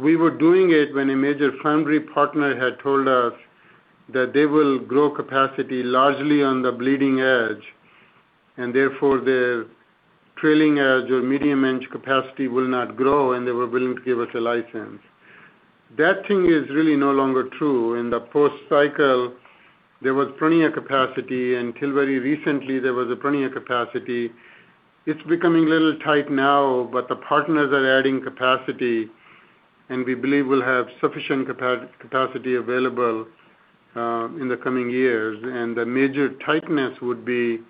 We were doing it when a major foundry partner had told us that they will grow capacity largely on the bleeding edge, and therefore, the trailing edge or medium edge capacity will not grow, and they were willing to give us a license. That thing is really no longer true. In the post cycle, there was plenty of capacity. Until very recently, there was plenty of capacity. It's becoming a little tight now. The partners are adding capacity. We believe we'll have sufficient capacity available in the coming years. The major tightness would be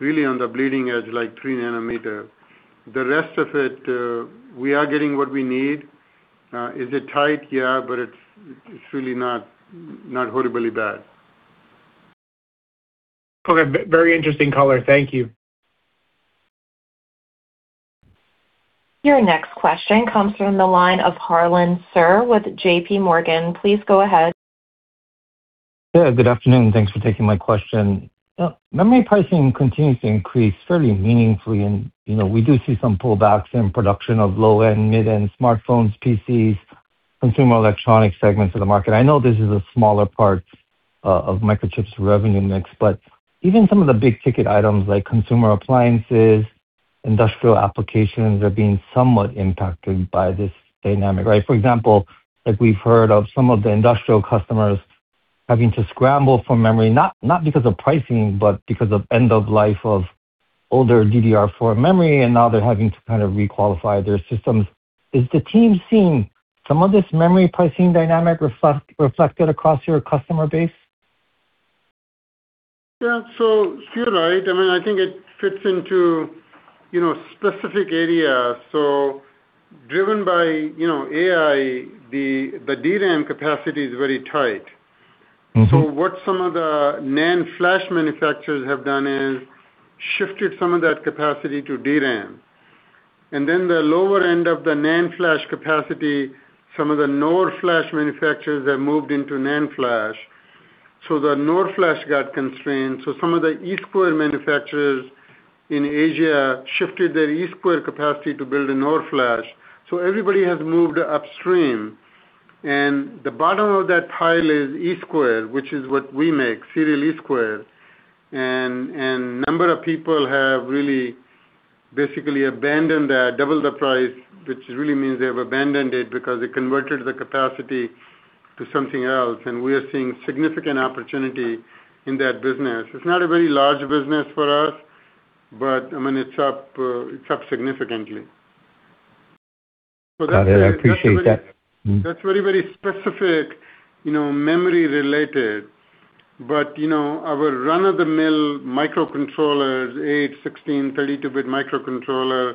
really on the bleeding edge, like 3 nm. The rest of it, we are getting what we need. Is it tight? Yeah, it's really not horribly bad. Okay. Very interesting color. Thank you. Your next question comes from the line of Harlan Sur with J.P. Morgan. Please go ahead. Yeah, good afternoon, and thanks for taking my question. memory pricing continues to increase fairly meaningfully, and, you know, we do see some pullbacks in production of low-end, mid-end smartphones, PCs, consumer electronic segments of the market. I know this is a smaller part of Microchip's revenue mix, but even some of the big-ticket items like consumer appliances, industrial applications are being somewhat impacted by this dynamic, right? For example, like, we've heard of some of the industrial customers having to scramble for memory, not because of pricing, but because of end of life of older DDR4 memory, and now they're having to kind of re-qualify their systems. Is the team seeing some of this memory pricing dynamic reflected across your customer base? Yeah. You're right. I mean, I think it fits into, you know, specific areas. Driven by, you know, AI, the DRAM capacity is very tight. What some of the NAND flash manufacturers have done is shifted some of that capacity to DRAM. The lower end of the NAND flash capacity, some of the NOR flash manufacturers have moved into NAND flash. The NOR flash got constrained, so some of the EEPROM manufacturers in Asia shifted their EEPROM capacity to build a NOR flash. Everybody has moved upstream, and the bottom of that pile is EEPROM, which is what we make, serial EEPROM. A number of people have really basically abandoned that, doubled the price, which really means they have abandoned it because they converted the capacity to something else. We are seeing significant opportunity in that business. It's not a very large business for us, but I mean, it's up significantly. Got it. I appreciate that. Mm. That's very, very specific, you know, memory related. You know, our run-of-the-mill microcontrollers, 8, 16, 32-bit microcontroller,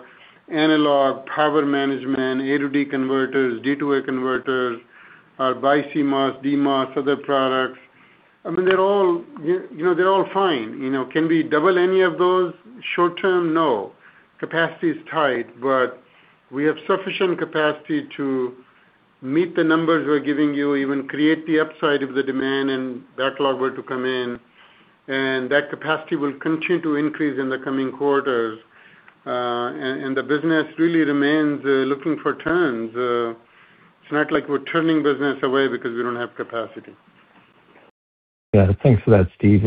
analog, power management, A to D converters, D to A converters, our BiCMOS, DMOS, other products, I mean, they're all, you know, they're all fine. You know, can we double any of those short term? No. Capacity is tight, but we have sufficient capacity to meet the numbers we're giving you, even create the upside if the demand and backlog were to come in. That capacity will continue to increase in the coming quarters. And the business really remains looking for turns. It's not like we're turning business away because we don't have capacity. Yeah. Thanks for that, Steve.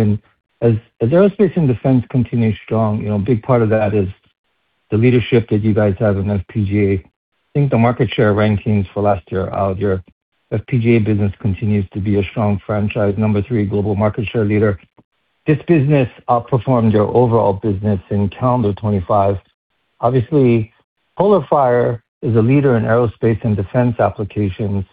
As aerospace and defense continues strong, you know, a big part of that is the leadership that you guys have in FPGA. I think the market share rankings for last year out, your FPGA business continues to be a strong franchise, number three global market share leader. This business outperformed your overall business in calendar 2025. Obviously, PolarFire is a leader in aerospace and defense applications.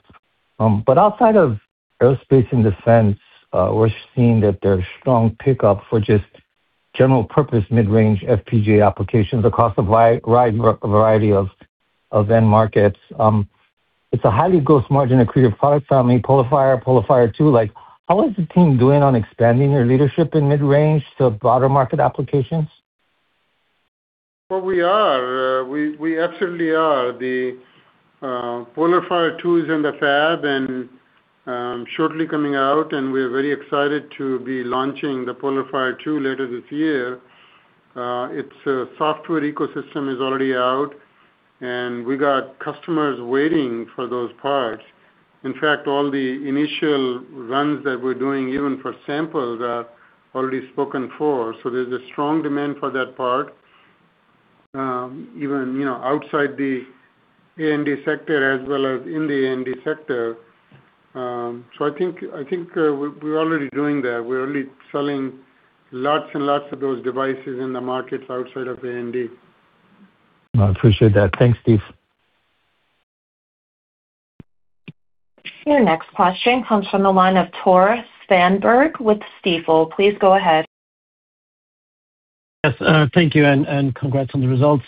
Outside of aerospace and defense, we're seeing that there's strong pickup for just general-purpose mid-range FPGA applications across a wide variety of end markets. It's a highly gross margin accretive product family, PolarFire 2. Like, how is the team doing on expanding their leadership in mid-range to broader market applications? Well, we are. We absolutely are. The PolarFire 2 is in the fab and, shortly coming out, and we're very excited to be launching the PolarFire 2 later this year. Its software ecosystem is already out, and we got customers waiting for those parts. In fact, all the initial runs that we're doing, even for samples, are already spoken for. There's a strong demand for that part, even, you know, outside the A&D sector as well as in the A&D sector. I think we're already doing that. We're already selling lots and lots of those devices in the markets outside of A&D. I appreciate that. Thanks, Steve. Your next question comes from the line of Tore Svanberg with Stifel. Please go ahead. Yes, thank you and congrats on the results.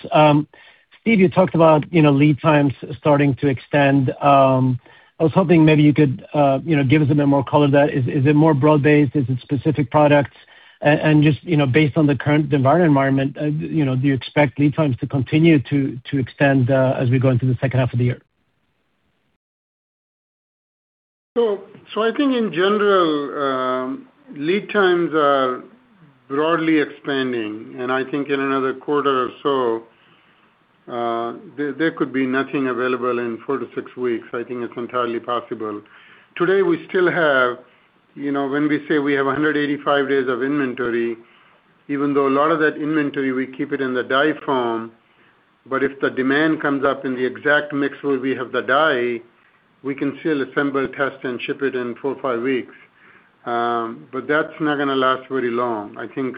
Steve, you talked about, you know, lead times starting to extend. I was hoping maybe you could, you know, give us a bit more color there. Is it more broad-based? Is it specific products? And just, you know, based on the current demand environment, you know, do you expect lead times to continue to extend as we go into the second half of the year? I think in general; lead times are broadly expanding. I think in another quarter or so, there could be nothing available in four to six weeks. I think it's entirely possible. Today, we still have, you know, when we say we have 185 days of inventory, even though a lot of that inventory, we keep it in the die form, but if the demand comes up in the exact mix where we have the die, we can still assemble, test, and ship it in four or five weeks. That's not gonna last very long. I think,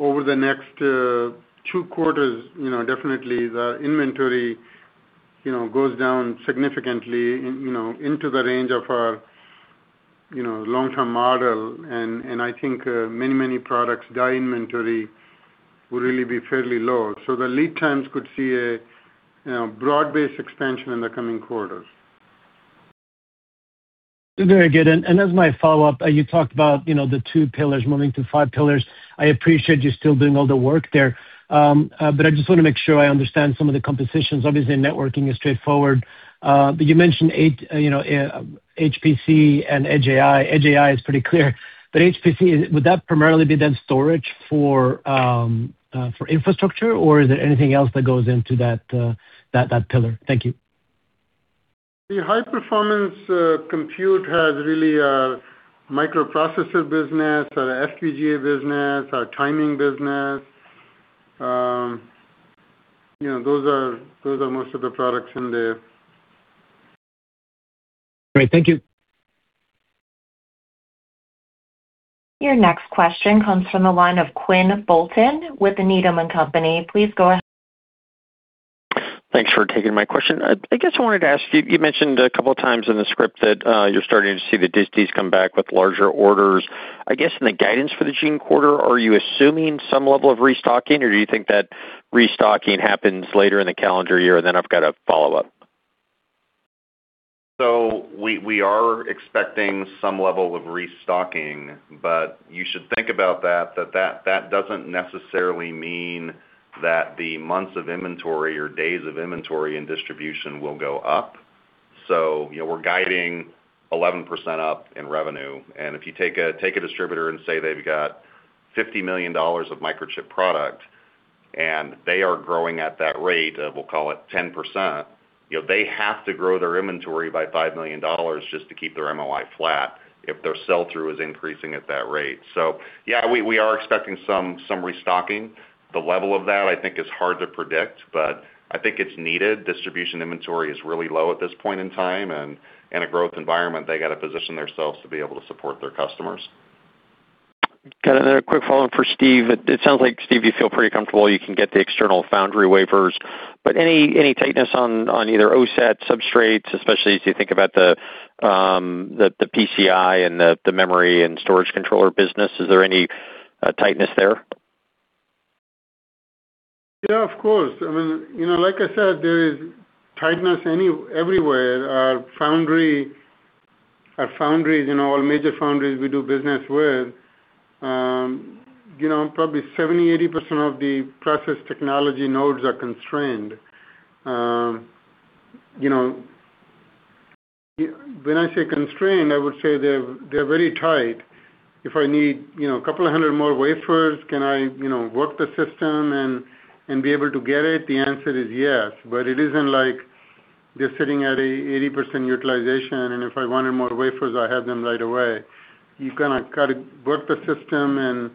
over the next two quarters, you know, definitely the inventory, you know, goes down significantly in, you know, into the range of our, you know, long-term model. I think, many products, die inventory will really be fairly low. The lead times could see a, you know, broad-based expansion in the coming quarters. Very good. As my follow-up, you talked about, you know, the two pillars moving to five pillars. I appreciate you still doing all the work there. I just wanna make sure I understand some of the compositions. Obviously, networking is straightforward. You mentioned, you know, HPC and Edge AI. Edge AI is pretty clear. HPC, would that primarily be then storage for infrastructure, or is there anything else that goes into that pillar? Thank you. The high-performance compute has really a microprocessor business, our FPGA business, our timing business. You know, those are most of the products in there. Great. Thank you. Your next question comes from the line of Quinn Bolton with the Needham & Company. Please go ahead. Thanks for taking my question. I guess I wanted to ask you mentioned a couple of times in the script that you're starting to see the distis come back with larger orders. I guess in the guidance for the June quarter, are you assuming some level of restocking, or do you think that restocking happens later in the calendar year? I've got a follow-up. We are expecting some level of restocking, you should think about that doesn't necessarily mean that the months of inventory or days of inventory and distribution will go up. You know, we're guiding 11% up in revenue. If you take a distributor and say they've got $50 million of Microchip product, and they are growing at that rate of, we'll call it 10%, you know, they have to grow their inventory by $5 million just to keep their MOI flat if their sell-through is increasing at that rate. Yeah, we are expecting some restocking. The level of that, I think is hard to predict, but I think it's needed. Distribution inventory is really low at this point in time, and in a growth environment, they gotta position themselves to be able to support their customers. Got another quick follow-up for Steve. It sounds like, Steve, you feel pretty comfortable you can get the external foundry wafers. Any tightness on either OSAT substrates, especially as you think about the PCI and the memory and storage controller business? Is there any tightness there? Yeah, of course. I mean, you know, like I said, there is tightness everywhere. Our foundries, you know, all major foundries we do business with, you know, probably 70%, 80% of the process technology nodes are constrained. You know, when I say constrained, I would say they're very tight. If I need, you know, a couple of 100 more wafers, can I, you know, work the system and be able to get it? The answer is yes, but it isn't like they're sitting at a 80% utilization, and if I wanted more wafers, I have them right away. You kinda gotta work the system and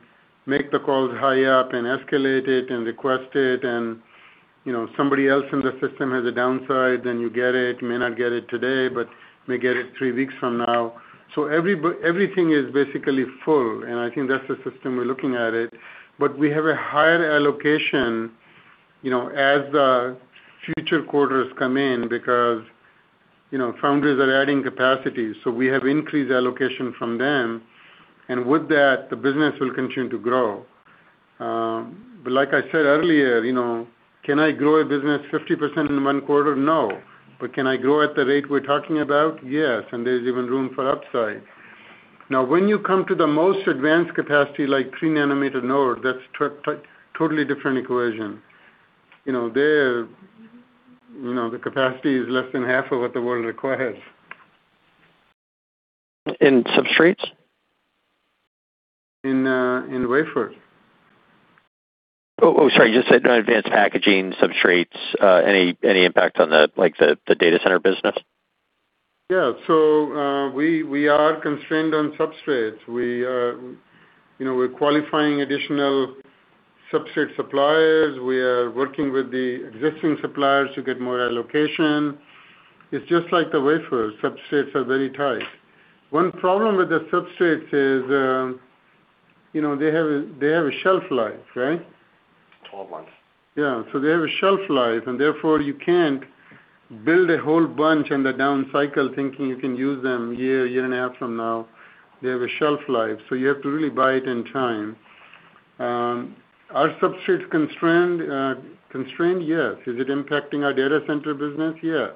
make the calls high up and escalate it and request it. You know, somebody else in the system has a downside, then you get it. You may not get it today, but may get it three weeks from now. Everything is basically full, and I think that's the system we're looking at it. We have a higher allocation, you know, as the future quarters come in because, you know, foundries are adding capacity, so we have increased allocation from them. With that, the business will continue to grow. But like I said earlier, you know, can I grow a business 50% in one quarter? No. Can I grow at the rate we're talking about? Yes, and there's even room for upside. Now, when you come to the most advanced capacity, like three nanometer node, that's totally different equation. You know, there, you know, the capacity is less than half of what the world requires. In substrates? In wafers. Sorry. Just said in advanced packaging substrates, any impact on the like the data center business? Yeah. We are constrained on substrates. We are, you know, we're qualifying additional substrate suppliers. We are working with the existing suppliers to get more allocation. It's just like the wafers. Substrates are very tight. One problem with the substrates is, you know, they have a shelf life, right? 12 months. Yeah. They have a shelf life, therefore, you can't build a whole bunch on the down cycle thinking you can use them year and a half from now. They have a shelf life, so you have to really buy it in time. Are substrates constrained? Yes. Is it impacting our data center business? Yes.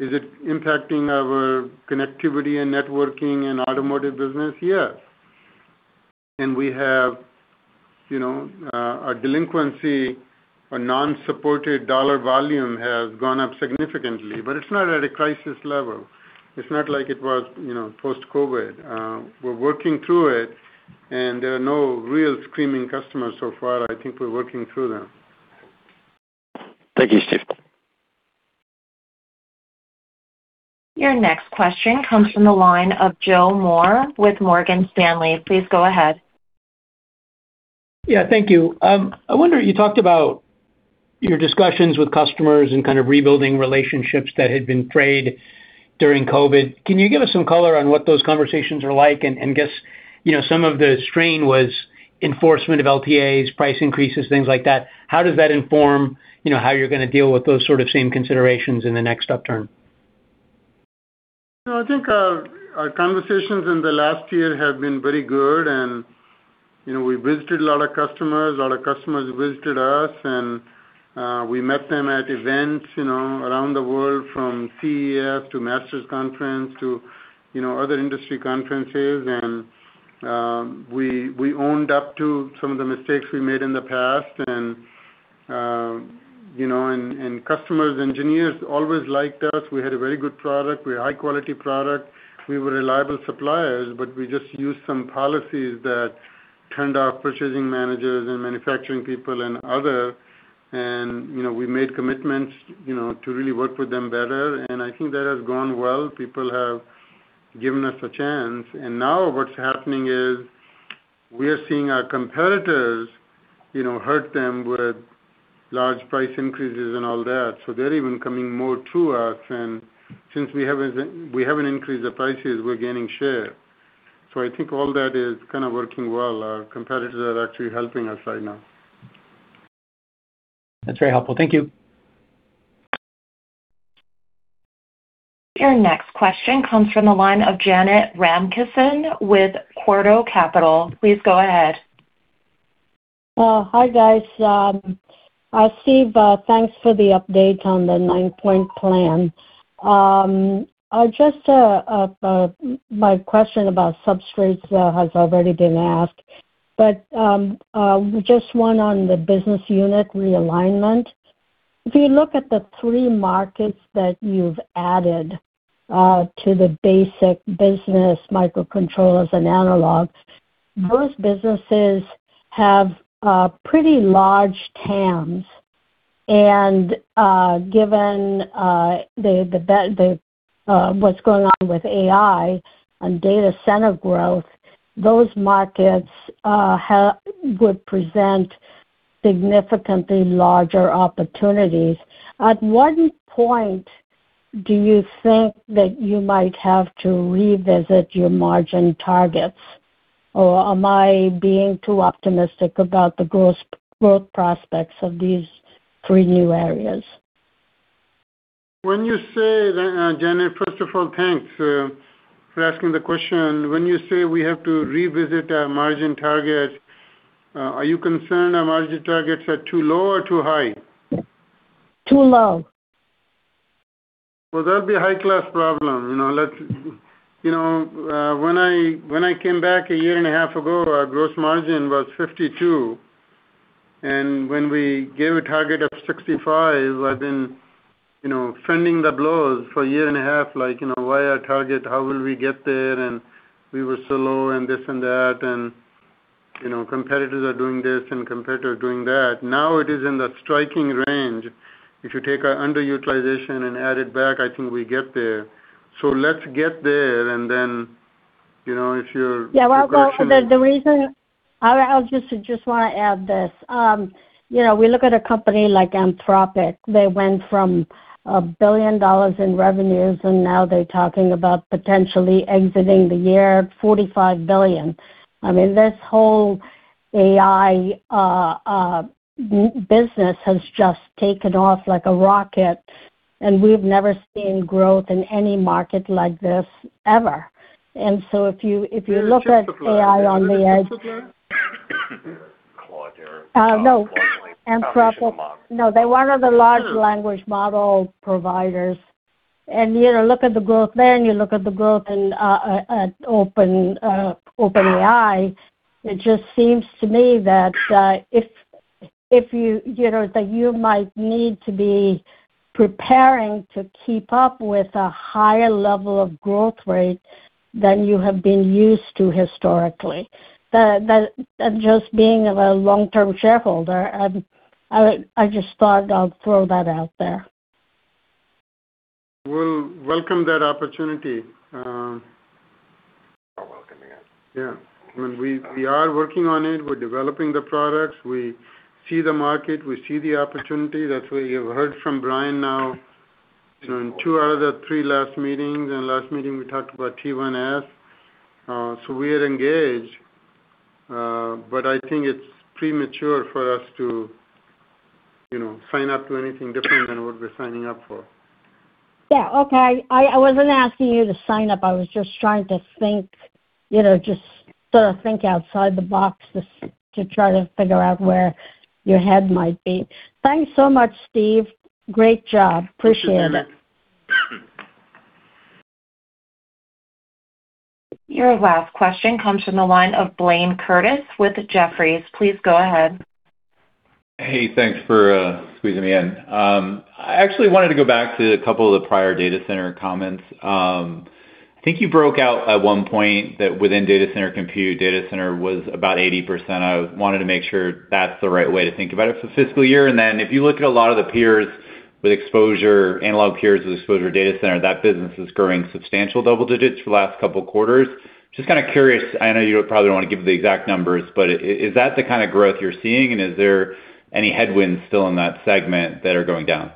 Is it impacting our connectivity and networking and automotive business? Yes. We have, you know, our delinquency or non-supported dollar volume has gone up significantly, but it's not at a crisis level. It's not like it was, you know, post-COVID. We're working through it. There are no real screaming customers so far. I think we're working through them. Thank you, Steve. Your next question comes from the line of Joe Moore with Morgan Stanley. Please go ahead. Yeah, thank you. I wonder, you talked about your discussions with customers and kind of rebuilding relationships that had been frayed during COVID. Can you give us some color on what those conversations are like? Guess, you know, some of the strain was enforcement of LTAs, price increases, things like that. How does that inform, you know, how you're gonna deal with those sort of same considerations in the next upturn? No, I think our conversations in the last year have been very good, and, you know, we visited a lot of customers, a lot of customers visited us, and we met them at events, you know, around the world from CES to MASTERs Conference to, you know, other industry conferences. We owned up to some of the mistakes we made in the past. You know, customers, engineers always liked us. We had a very good product. We had high-quality product. We were reliable suppliers, but we just used some policies that turned off purchasing managers and manufacturing people and other. You know, we made commitments, you know, to really work with them better, and I think that has gone well. People have given us a chance. Now what's happening is we are seeing our competitors, you know, hurt them with large price increases and all that. They're even coming more to us. Since we haven't increased the prices, we're gaining share. I think all that is kind of working well. Our competitors are actually helping us right now. That's very helpful. Thank you. Your next question comes from the line of Janet Ramkissoon with Quadra Capital. Please go ahead. Hi, guys. Steve, thanks for the update on the nine-point plan. I just, my question about substrates has already been asked, but just one on the business unit realignment. If you look at the three markets that you've added to the basic business microcontrollers and analog, those businesses have pretty large TAMs. Given what's going on with AI and data center growth, those markets would present significantly larger opportunities. At what point do you think that you might have to revisit your margin targets? Or am I being too optimistic about the growth prospects of these three new areas? When you say that, Janet. First of all, thanks for asking the question. When you say we have to revisit our margin targets, are you concerned our margin targets are too low or too high? Too low. Well, that'd be a high-class problem. You know, when I came back a year and a half ago, our gross margin was 52%, and when we gave a target of 65%, I've been, you know, fending the blows for a year and a half. Like, you know, why our target? How will we get there? We were so low and this and that, and, you know, competitors are doing this and competitors are doing that. Now it is in the striking range. If you take our underutilization and add it back, I think we get there. Let's get there, you know, if you're- Well, the reason I just wanna add this. You know, we look at a company like Anthropic. They went from $1 billion in revenues, now they're talking about potentially exiting the year at $45 billion. I mean, this whole AI business has just taken off like a rocket, we've never seen growth in any market like this ever. If you look at AI on the edge. No. Anthropic. No, they're one of the large language model providers. You know, look at the growth there, and you look at the growth in OpenAI. It just seems to me that if you know, that you might need to be preparing to keep up with a higher level of growth rate than you have been used to historically. Just being a long-term shareholder, I just thought I'll throw that out there. We'll welcome that opportunity. We're welcoming it. Yeah. I mean, we are working on it. We're developing the products. We see the market. We see the opportunity. That's why you've heard from Brian now in two out of the three last meetings, and last meeting, we talked about 10BASE-T1S. We are engaged, but I think it's premature for us to, you know, sign up to anything different than what we're signing up for. Yeah. Okay. I wasn't asking you to sign up. I was just trying to think, you know, just sort of think outside the box to try to figure out where your head might be. Thanks so much, Steve. Great job. Appreciate it. Your last question comes from the line of Blayne Curtis with Jefferies. Please go ahead. Hey, thanks for squeezing me in. I actually wanted to go back to a couple of the prior data center comments. I think you broke out at one point that within data center compute, data center was about 80%. I wanted to make sure that's the right way to think about it for the fiscal year. If you look at a lot of the peers with exposure, analog peers with exposure data center, that business is growing substantial double digits for the last couple of quarters. Just kind of curious, I know you don't probably want to give the exact numbers, but is that the kind of growth you're seeing? Is there any headwinds still in that segment that are going down?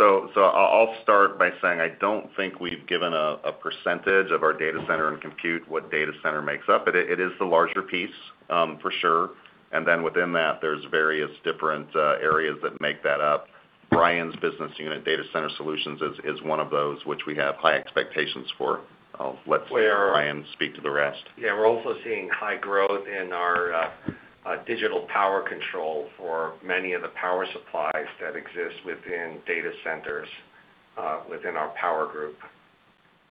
I'll start by saying, I don't think we've given a percentage of our data center and compute what data center makes up. It is the larger piece, for sure. Within that, there's various different areas that make that up. Brian's business unit, Data Center Solutions, is one of those which we have high expectations for. I'll let Brian speak to the rest. Yeah. We're also seeing high growth in our digital power control for many of the power supplies that exist within data centers, within our power group.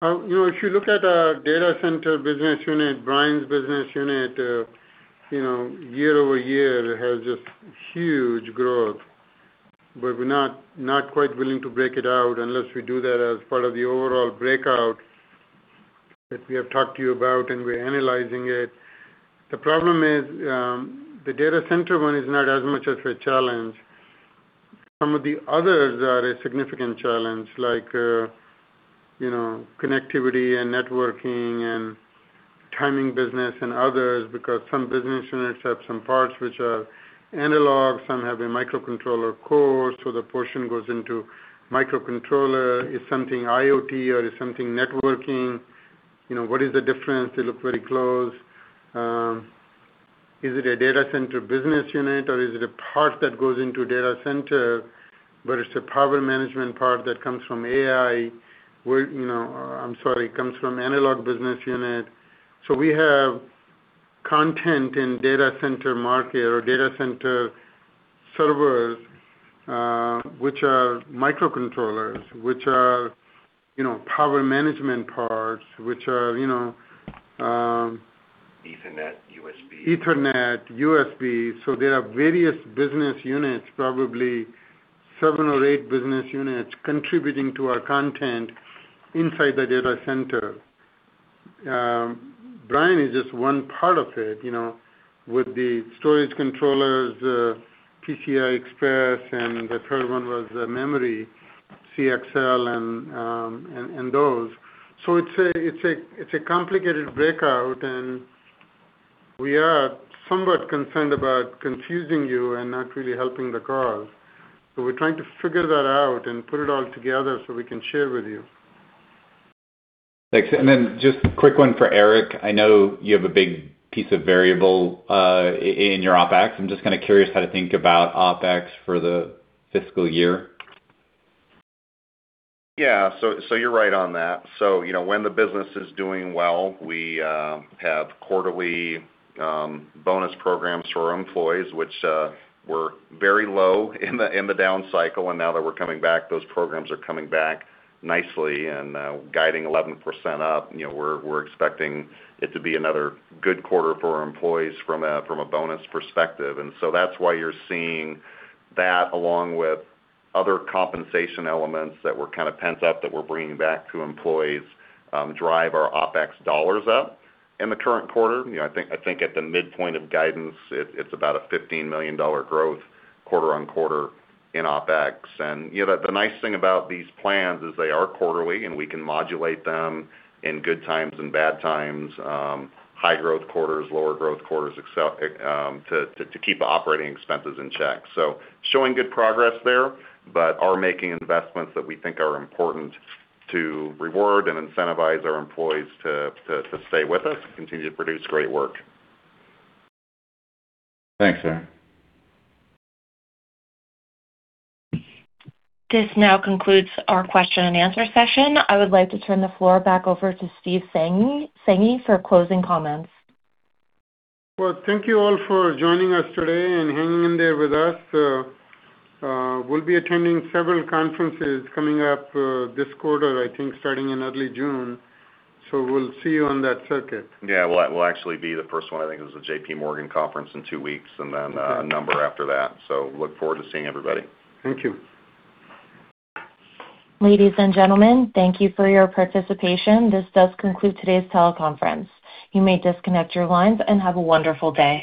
You know, if you look at our Data Center Solutions business unit, Brian McCarson's business unit, you know, year over year has just huge growth. We're not quite willing to break it out unless we do that as part of the overall breakout that we have talked to you about and we're analyzing it. The problem is, the data center one is not as much of a challenge. Some of the others are a significant challenge, like, you know, connectivity and networking and timing business and others, because some business units have some parts which are analog, some have a microcontroller core, so the portion goes into microcontroller. Is something IoT or is something networking? You know, what is the difference? They look very close. Is it a Data Center business unit or is it a part that goes into Data Center, but it's a power management part that comes from AI where comes from analog business unit. We have content in Data Center market or Data Center servers, which are microcontrollers, which are, you know, power management parts, which are, you know. Ethernet, USB. Ethernet, USB. There are various business units, probably seven or eight business units contributing to our content inside the data center. Brian is just one part of it, you know, with the storage controllers, PCI Express, and the third one was memory CXL and those. It's a complicated breakout, and we are somewhat concerned about confusing you and not really helping the cause. We're trying to figure that out and put it all together so we can share with you. Thanks. Just a quick one for Eric. I know you have a big piece of variable in your OpEx. I'm just kind of curious how to think about OpEx for the fiscal year. Yeah. You're right on that. You know, when the business is doing well, we have quarterly bonus programs for our employees, which were very low in the down cycle. Now that we're coming back, those programs are coming back nicely and guiding 11% up. You know, we're expecting it to be another good quarter for our employees from a bonus perspective. That's why you're seeing that along with other compensation elements that were kind of pent up that we're bringing back to employees, drive our OpEx up in the current quarter. You know, I think at the midpoint of guidance, it's about a $15 million growth quarter-on-quarter in OpEx. You know, the nice thing about these plans is they are quarterly, and we can modulate them in good times and bad times, high growth quarters, lower growth quarters, to keep operating expenses in check. Showing good progress there but are making investments that we think are important to reward and incentivize our employees to stay with us and continue to produce great work. Thanks, Eric. This now concludes our question-and-answer session. I would like to turn the floor back over to Steve Sanghi for closing comments. Well, thank you all for joining us today and hanging in there with us. We'll be attending several conferences coming up this quarter, I think starting in early June. We'll see you on that circuit. Yeah. We'll actually be the first one, I think it was the J.P. Morgan conference in two weeks and then, a number after that. Look forward to seeing everybody. Thank you. Ladies and gentlemen, thank you for your participation. This does conclude today's teleconference. You may disconnect your lines and have a wonderful day.